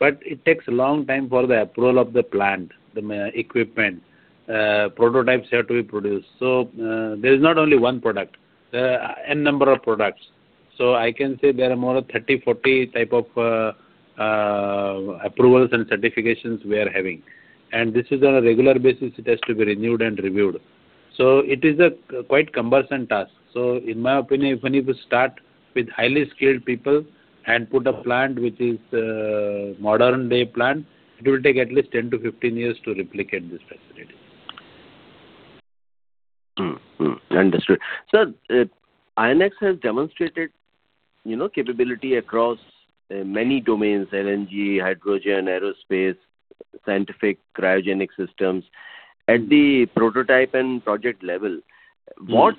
It takes a long time for the approval of the plant, the equipment, prototypes have to be produced. There is not only one product, N number of products. I can say there are more than 30, 40 type of approvals and certifications we are having. This is on a regular basis, it has to be renewed and reviewed. It is a quite cumbersome task. In my opinion, even if you start with highly skilled people and put a plant which is a modern day plant, it will take at least 10-15 years to replicate this facility. Understood. Sir, INOX has demonstrated, you know, capability across many domains: LNG, hydrogen, aerospace, scientific cryogenic systems at the prototype and project level. What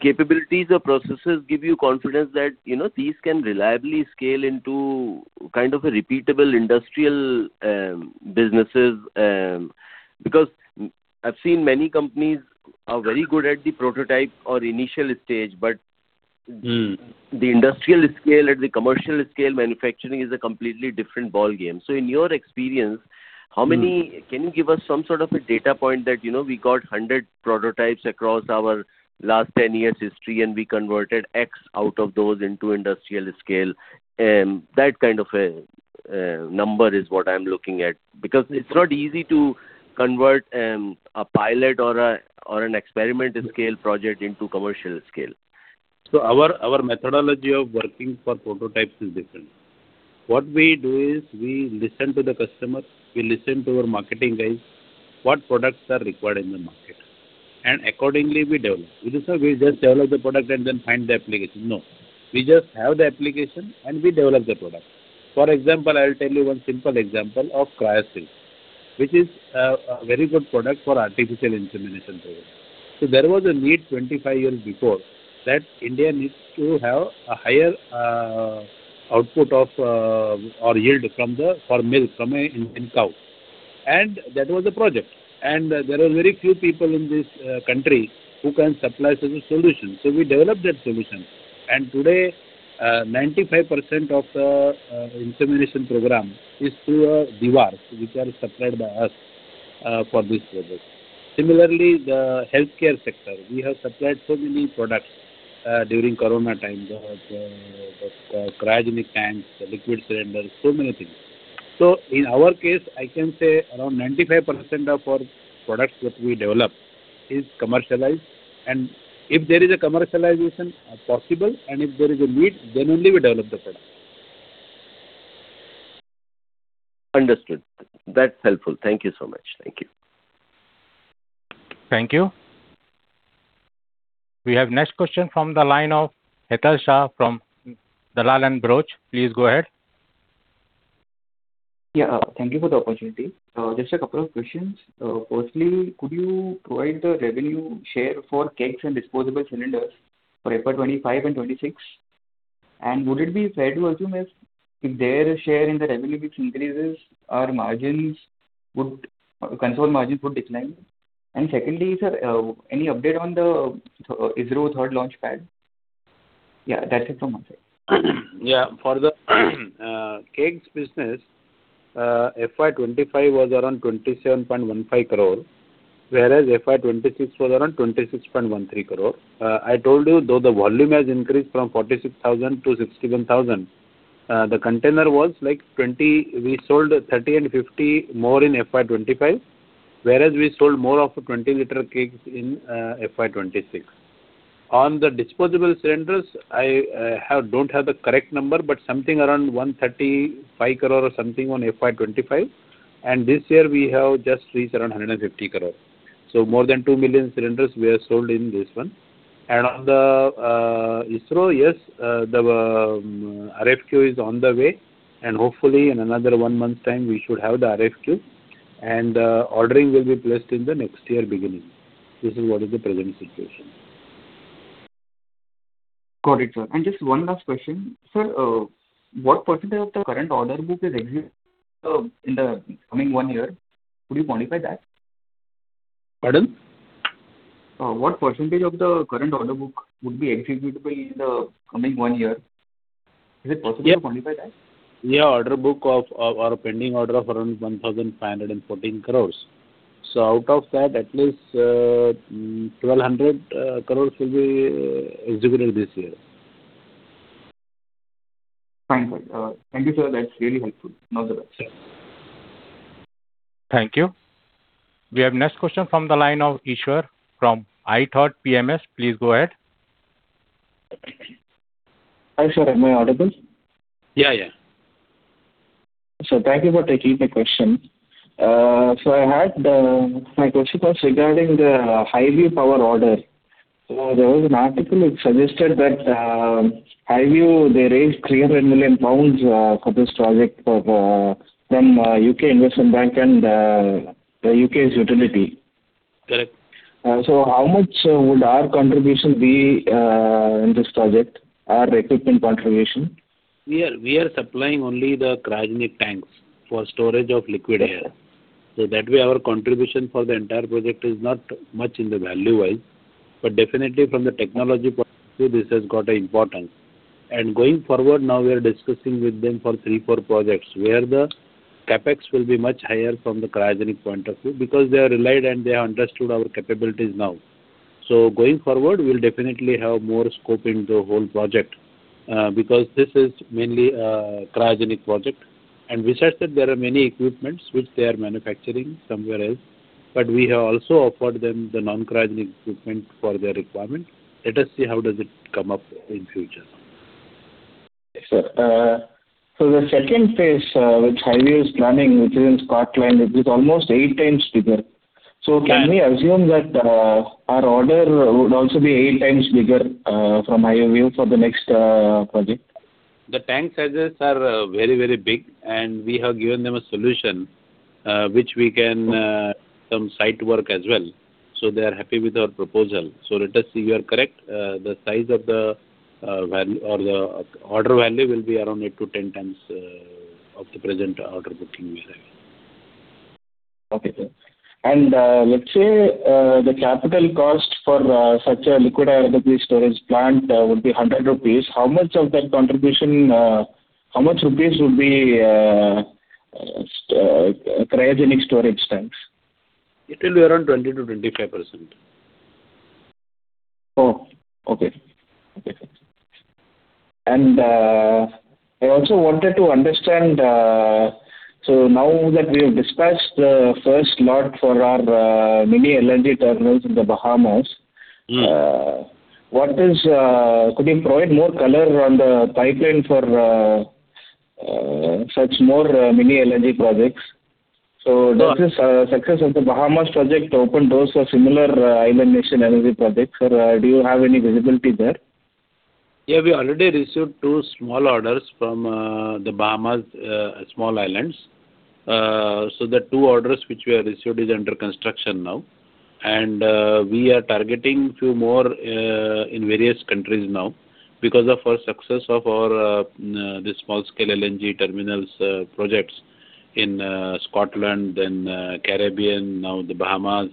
capabilities or processes give you confidence that, you know, these can reliably scale into kind of a repeatable industrial businesses? Because I've seen many companies are very good at the prototype or initial stage but the industrial scale and the commercial scale manufacturing is a completely different ballgame. In your experience, how many- Can you give us some sort of a data point that, you know, we got 100 prototypes across our last 10 years history, and we converted X out of those into industrial scale. That kind of a number is what I'm looking at. It's not easy to convert a pilot or a, or an experiment scale project into commercial scale. Our, our methodology of working for prototypes is different. What we do is we listen to the customer, we listen to our marketing guys, what products are required in the market, and accordingly we develop. It is not we just develop the product and then find the application. No. We just have the application, and we develop the product. For example, I will tell you one simple example of CRYO-BIO, which is a very good product for artificial insemination programs. There was a need 25 years before that India needs to have a higher output of or yield from the, for milk from an cow. That was the project. There are very few people in this country who can supply such a solution. We developed that solution. Today, 95% of the insemination program is through a dewar, which are supplied by us for this project. Similarly, the healthcare sector, we have supplied so many products during COVID times. Cryogenic tanks, liquid cylinders, so many things. In our case, I can say around 95% of our products what we develop is commercialized. If there is a commercialization possible, and if there is a need, then only we develop the product. Understood. That's helpful. Thank you so much. Thank you. Thank you. We have next question from the line of Hetal Shah from Dalal & Broacha. Please go ahead. Yeah. Thank you for the opportunity. Just a couple of questions. Firstly, could you provide the revenue share for beverage kegs and disposable cylinders for FY 2025 and 2026? Would it be fair to assume if their share in the revenue which increases our margins would control margins would decline? Secondly, sir, any update on the ISRO third launch pad? Yeah, that's it from my side. For the kegs business, FY 2025 was around 27.15 crore, whereas FY 2026 was around 26.13 crore. I told you though the volume has increased from 46,000 to 61,000, the container was like 20 We sold 30 and 50 more in FY 2025, whereas we sold more of 20 L kegs in FY 2026. On the disposable cylinders, I don't have the correct number, but something around 135 crore or something on FY 2025. This year we have just reached around 150 crore. More than 2 million cylinders we have sold in this one. On the ISRO, yes, the RFQ is on the way, and hopefully in another one month time we should have the RFQ, and ordering will be placed in the next year beginning. This is what is the present situation. Got it, sir. Just one last question. Sir, what percentage of the current order book is in the coming one year, could you quantify that? Pardon? What percentage of the current order book would be executable in the coming one year? Is it possible to quantify that? Yeah. Order book of our pending order of around 1,514 crore. Out of that, at least 1,200 crore will be executed this year. Fine, sir. Thank you, sir. That's really helpful. All the best. Sure. Thank you. We have next question from the line of Eshwar from ithought PMS. Please go ahead. Hi, sir. Am I audible? Yeah, yeah. Thank you for taking my question. I had my question was regarding the Highview Power order. There was an article which suggested that Highview, they raised 300 million pounds for this project for from U.K. Infrastructure Bank and the U.K.'s utility. Correct. How much would our contribution be in this project? Our equipment contribution. We are supplying only the cryogenic tanks for storage of liquid air. That way our contribution for the entire project is not much in the value-wise. Definitely from the technology point of view, this has got a importance. Going forward now we are discussing with them for three, four projects, where the CapEx will be much higher from the cryogenic point of view because they are relied and they have understood our capabilities now. Going forward, we'll definitely have more scope in the whole project because this is mainly a cryogenic project. Besides that, there are many equipments which they are manufacturing somewhere else, but we have also offered them the non-cryogenic equipment for their requirement. Let us see how does it come up in future. Yes, sir. The second phase, which Highview is planning, which is in Scotland, it is almost eight times bigger. Yeah. Can we assume that our order would also be eight times bigger from Highview for the next project? The tank sizes are very, very big. We have given them a solution, which we can, some site work as well. They are happy with our proposal. Let us see. You are correct, the size of the value or the order value will be around eight to 10 times of the present order booking we have. Okay, sir. Let's say, the capital cost for such a liquid air storage plant, would be 100 rupees. How much of that contribution, how much rupees would be cryogenic storage tanks? It will be around 20%-25%. Oh, okay. Okay, sir. I also wanted to understand, now that we have dispatched the first lot for our, mini LNG terminals in The Bahamas. Could you provide more color on the pipeline for such more mini-LNG projects? Does this success of The Bahamas project open doors for similar island nation energy projects? Do you have any visibility there? Yeah, we already received two small orders from The Bahamas, small islands. The two orders which we have received is under construction now. We are targeting few more in various countries now because of our success of our the small scale LNG terminals projects in Scotland, then Caribbean, now The Bahamas,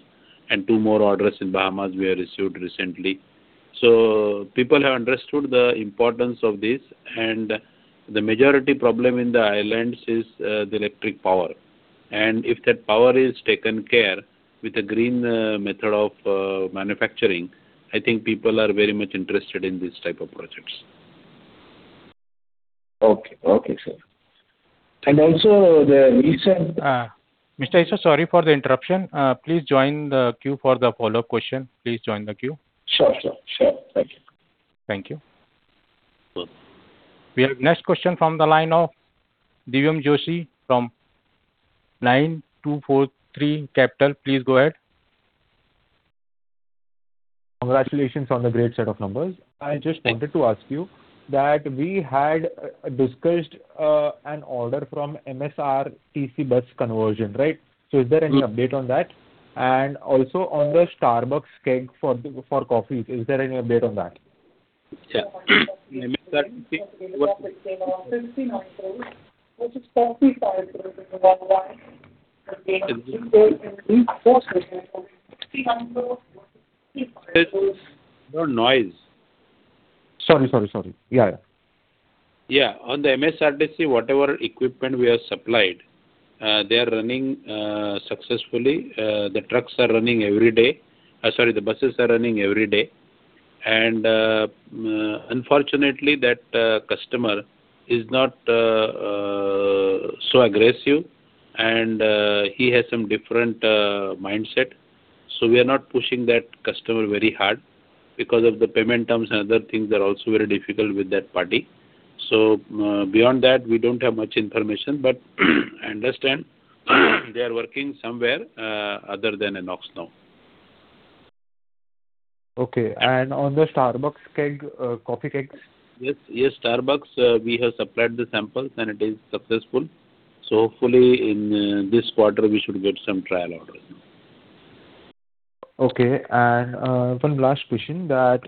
and two more orders in Bahamas we have received recently. People have understood the importance of this, and the majority problem in the islands is the electric power. If that power is taken care with a green method of manufacturing, I think people are very much interested in this type of projects. Okay. Okay, sir. Mr. Eshwar, sorry for the interruption. Please join the queue for the follow-up question. Please join the queue. Sure, sir. Sure. Thank you. Thank you. Cool. We have next question from the line of Divyam Doshi from Pragya Securities. Please go ahead. Congratulations on the great set of numbers. Thank you. I just wanted to ask you that we had discussed an order from MSRTC bus conversion, right? Is there any update on that? Also on the Starbucks keg for coffee. Is there any update on that? Yeah. MSRTC. There's no noise. Sorry. Yeah. Yeah. On the MSRTC, whatever equipment we have supplied, they are running successfully. The trucks are running every day. Sorry, the buses are running every day. Unfortunately, that customer is not. Aggressive, and he has some different mindset. We are not pushing that customer very hard because of the payment terms and other things are also very difficult with that party. Beyond that, we don't have much information, but I understand they are working somewhere other than INOX now. Okay. On the Starbucks keg, coffee kegs? Yes. Yes, Starbucks, we have supplied the samples and it is successful. Hopefully in this quarter we should get some trial orders. Okay. One last question that,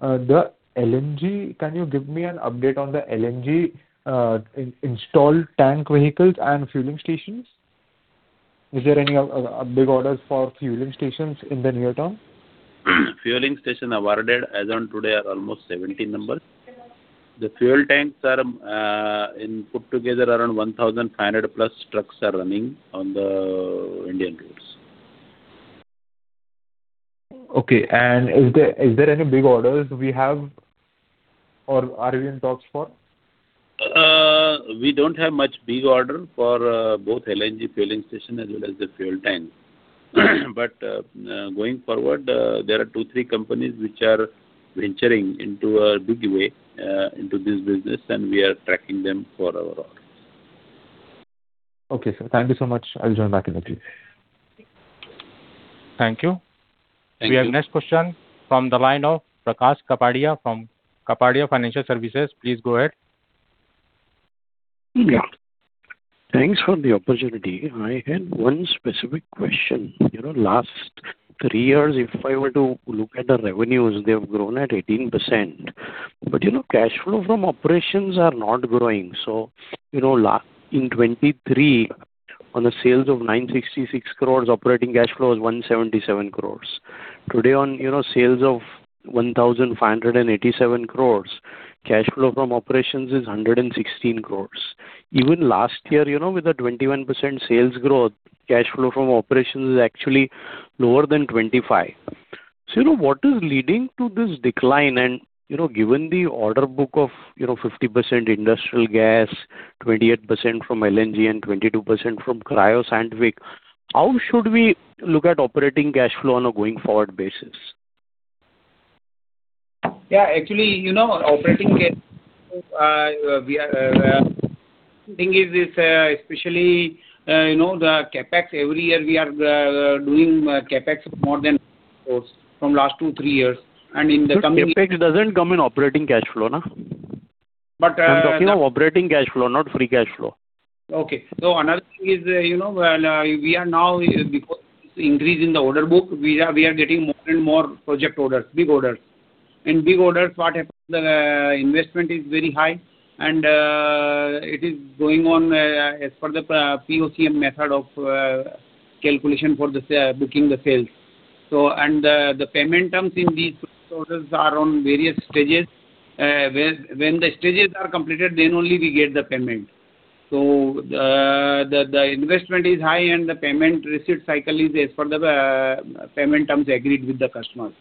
Can you give me an update on the LNG installed tank vehicles and fueling stations? Is there any big orders for fueling stations in the near term? Fueling station awarded as on today are almost 70. The fuel tanks are, in put together around 1,500+ trucks are running on the Indian routes. Okay. Is there any big orders we have or are we in talks for? We don't have much big order for both LNG fueling station as well as the fuel tank. Going forward, there are two, three companies which are venturing into a big way into this business, and we are tracking them for our orders. Okay, sir. Thank you so much. I'll join back in the queue. Thank you. Thank you. We have next question from the line of Prakash Kapadia from Kapadia Financial Services. Please go ahead. Yeah. Thanks for the opportunity. I had one specific question. You know, last three years, if I were to look at the revenues, they have grown at 18%. You know, cash flow from operations are not growing. You know, in 2023, on a sales of 966 crores, operating cash flow is 177 crores. Today on, you know, sales of 1,587 crores, cash flow from operations is 116 crores. Even last year, you know, with the 21% sales growth, cash flow from operations is actually lower than 25. You know, what is leading to this decline? You know, given the order book of, you know, 50% industrial gas, 28% from LNG and 22% from Cryo-Scientific, how should we look at operating cash flow on a going forward basis? Yeah. Actually, you know, operating cash flow, we are, thing is, especially, you know, the CapEx every year we are doing CapEx of more than crores from last two, three years. In the coming year. CapEx doesn't come in operating cash flow, nah? But, uh- I'm talking of operating cash flow, not free cash flow. Okay. Another thing is, you know, we are now, because increase in the order book, we are getting more and more project orders, big orders. In big orders what happens, the investment is very high and it is going on as per the POCM method of calculation for booking the sales. The payment terms in these orders are on various stages. When the stages are completed, then only we get the payment. The investment is high and the payment receipt cycle is as per the payment terms agreed with the customers.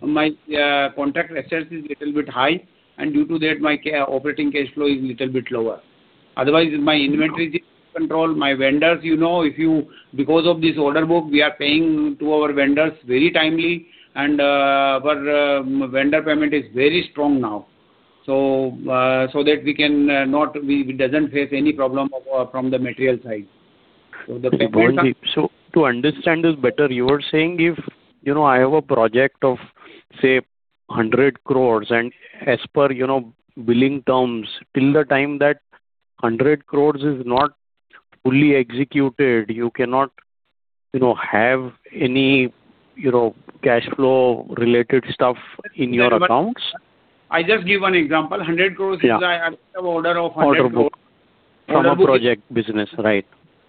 My contract expense is little bit high. Due to that my operating cash flow is little bit lower. Otherwise, my inventory is controlled. My vendors, you know, because of this order book, we are paying to our vendors very timely and our vendor payment is very strong now. That we can we doesn't face any problem of from the material side. Pavanji, to understand this better, you are saying if, you know, I have a project of, say, 100 crores, and as per, you know, billing terms, till the time that 100 crores is not fully executed, you cannot, you know, have any, you know, cash flow related stuff in your accounts? I just give one example. 100 crores. Yeah. Order of 100 crore. Order book. Order book is- From a project business, right.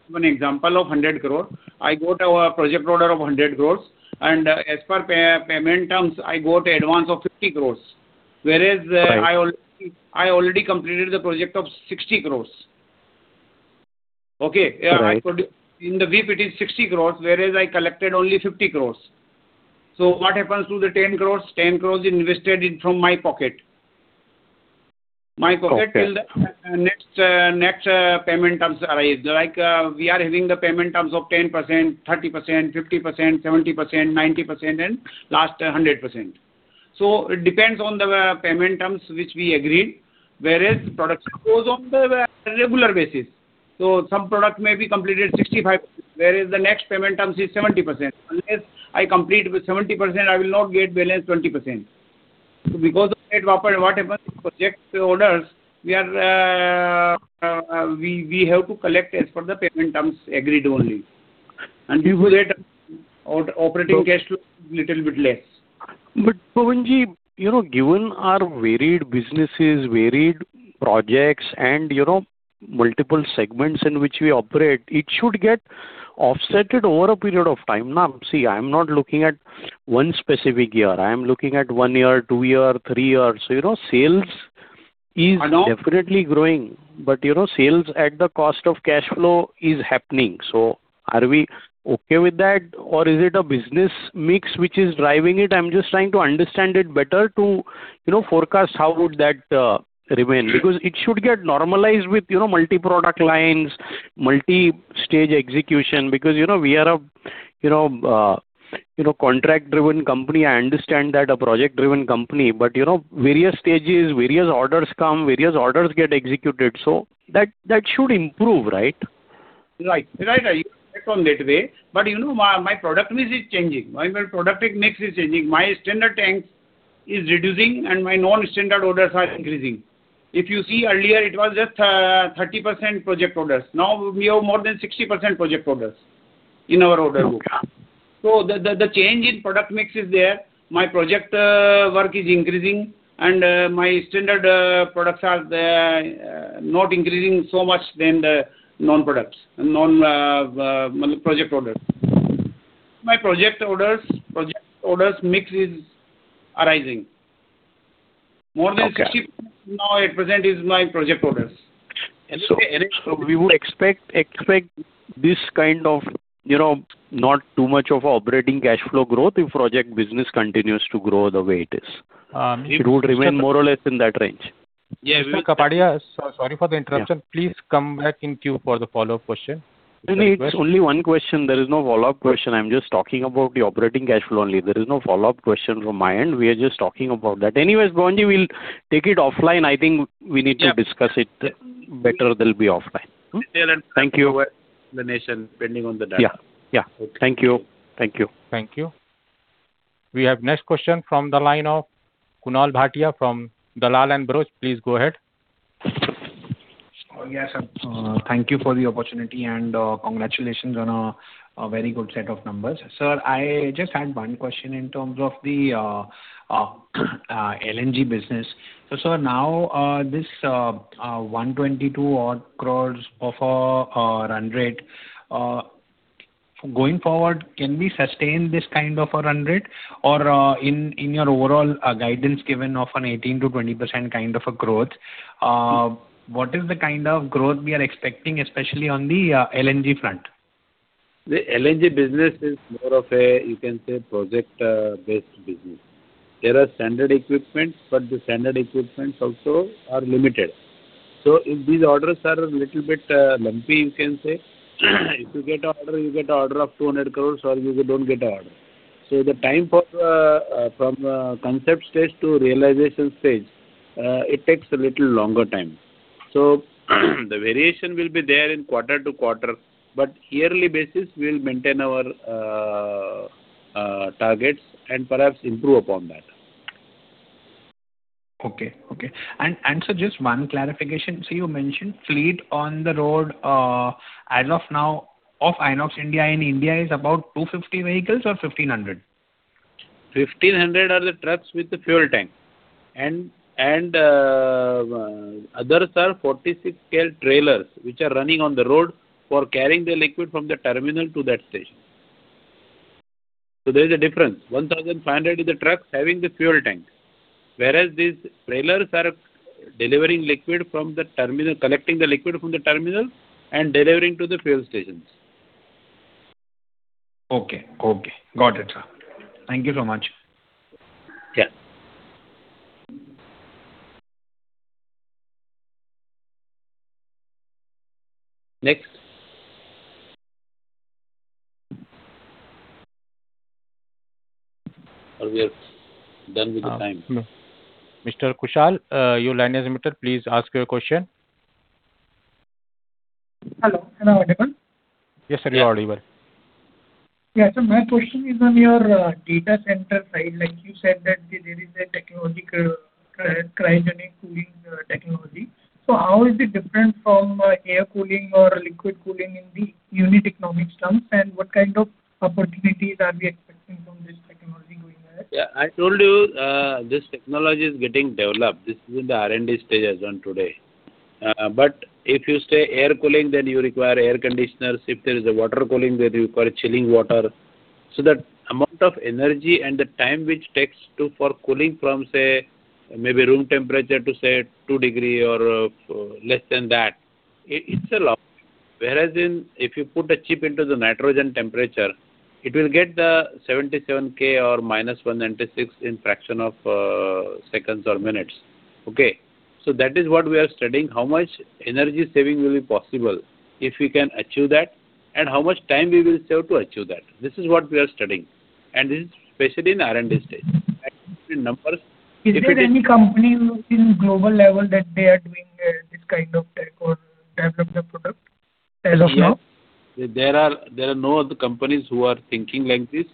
Give an example of 100 crore. I got a project order of 100 crore, and as per payment terms, I got advance of 50 crore. Right. I already completed the project of 60 crores. Okay? Right. In the WIP 60 crores, whereas I collected only 50 crores. What happens to the 10 crores? 10 crores invested in from my pocket. Okay. Till the next payment terms arise. We are having the payment terms of 10%, 30%, 50%, 70%, 90%, and last 100%. It depends on the payment terms which we agreed, whereas production goes on the regular basis. Some product may be completed 65%, whereas the next payment terms is 70%. Unless I complete with 70%, I will not get balance 20%. Because of that, what happens, project orders, we have to collect as per the payment terms agreed only. Due to that, our operating cash flow is little bit less. Pavanji, you know, given our varied businesses, varied projects and, you know, multiple segments in which we operate, it should get offsetted over a period of time. Now, see, I'm not looking at one specific year. I am looking at one year, two year, three years. I know. Definitely growing. You know, sales at the cost of cash flow is happening. Are we okay with that or is it a business mix which is driving it? I'm just trying to understand it better to, you know, forecast how would that remain. It should get normalized with, you know, multi-product lines, multi-stage execution. You know, we are a, you know, contract-driven company. I understand that, a project-driven company. You know, various stages, various orders come, various orders get executed. That should improve, right? Right. Right, right. From that way. You know, my product mix is changing. My product mix is changing. My standard tanks is reducing, and my non-standard orders are increasing. If you see earlier, it was just 30% project orders. Now we have more than 60% project orders in our order book. The change in product mix is there. My project work is increasing, and my standard products are not increasing so much than the non-products, non-project orders. My project orders mix is arising. More than 60% now at present is my project orders. We would expect this kind of, you know, not too much of operating cash flow growth if project business continues to grow the way it is. Um, if- It would remain more or less in that range. Yeah. Mr. Kapadia, sorry for the interruption. Yeah. Please come back in queue for the follow-up question. It's only one question. There is no follow-up question. I'm just talking about the operating cash flow only. There is no follow-up question from my end. We are just talking about that. Pavanji, we'll take it offline. I think we need to discuss it better than be offline. Thank you. Explanation pending on the data. Yeah. Yeah. Thank you. Thank you. Thank you. We have next question from the line of Kunal Bhatia from Dalal & Broacha. Please go ahead. Yes. Thank you for the opportunity and congratulations on a very good set of numbers. Sir, I just had one question in terms of the LNG business. Sir, now, this 122 odd crore of run rate going forward, can we sustain this kind of a run rate or in your overall guidance given of an 18%-20% kind of a growth, what is the kind of growth we are expecting, especially on the LNG front? The LNG business is more of a, you can say, project-based business. There are standard equipments, but the standard equipments also are limited. If these orders are a little bit lumpy, you can say. If you get a order, you get a order of 200 crore or you don't get a order. The time for, from concept stage to realization stage, it takes a little longer time. The variation will be there in quarter to quarter, but yearly basis we'll maintain our targets and perhaps improve upon that. Okay. Okay. Sir, just one clarification. You mentioned fleet on the road, as of now of INOX India in India is about 250 vehicles or 1,500? 1,500 are the trucks with the fuel tank and others are 46 scale trailers which are running on the road for carrying the liquid from the terminal to that station. There is a difference. 1,500 is the truck having the fuel tank, whereas these trailers are delivering liquid from the terminal, collecting the liquid from the terminal and delivering to the fuel stations. Okay. Okay. Got it, sir. Thank you so much. Yeah. Next. We are done with the time. Mr. Kushal, your line is unmuted. Please ask your question. Hello. Hello, everyone. Yes, sir. Good afternoon. My question is on your data center side. You said that there is a technology, cryogenic cooling technology. How is it different from air cooling or liquid cooling in the unit economic terms, and what kind of opportunities are we expecting from this technology going ahead? Yeah. I told you, this technology is getting developed. This is in the R&D stage as on today. If you say air cooling, then you require air conditioners. If there is a water cooling, then you require chilling water. The amount of energy and the time which takes to, for cooling from, say, maybe room temperature to, say, 2 degrees or less than that, it's a lot. Whereas in, if you put a chip into the nitrogen temperature, it will get the 77 K or -196 in fraction of seconds or minutes. Okay? That is what we are studying, how much energy saving will be possible if we can achieve that and how much time we will save to achieve that. This is what we are studying, and this is especially in R&D stage. Is there any company in global level that they are doing, this kind of tech or type of the product as of now? Yeah. There are no other companies who are thinking like this.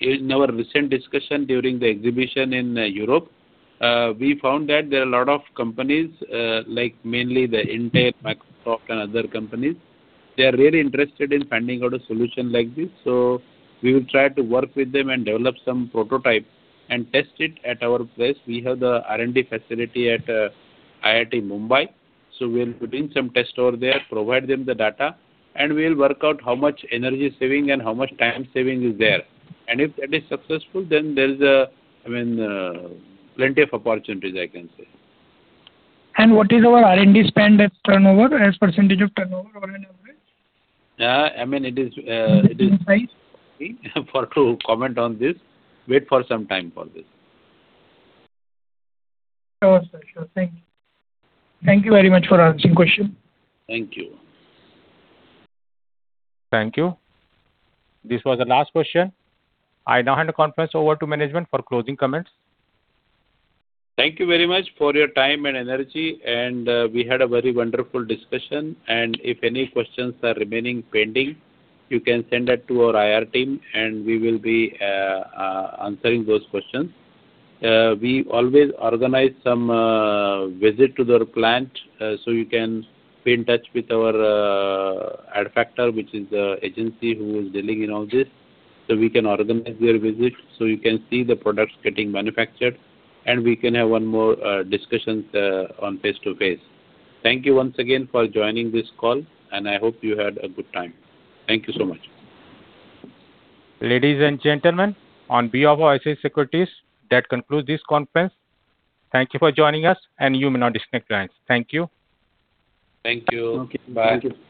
In our recent discussion during the exhibition in Europe, we found that there are a lot of companies, like mainly the Intel, Microsoft and other companies, they are very interested in finding out a solution like this. We will try to work with them and develop some prototype and test it at our place. We have the R&D facility at IIT Mumbai. We're doing some test over there, provide them the data, and we'll work out how much energy saving and how much time saving is there. If that is successful, then there is a plenty of opportunities I can say. What is our R&D spend as turnover, as percentage of turnover on an average? I mean, it is. In price. For to comment on this, wait for some time for this. Sure, sir. Sure. Thank you. Thank you very much for answering question. Thank you. Thank you. This was the last question. I now hand the conference over to management for closing comments. Thank you very much for your time and energy, and we had a very wonderful discussion. If any questions are remaining pending, you can send that to our IR team, and we will be answering those questions. We always organize some visit to the plant, so you can be in touch with our Adfactors, which is a agency who is dealing in all this. We can organize your visit, so you can see the products getting manufactured, and we can have one more discussions on face-to-face. Thank you once again for joining this call, and I hope you had a good time. Thank you so much. Ladies and gentlemen, on behalf of ICICI Securities, that concludes this conference. Thank you for joining us, and you may now disconnect lines. Thank you. Thank you. Okay. Bye. Thank you.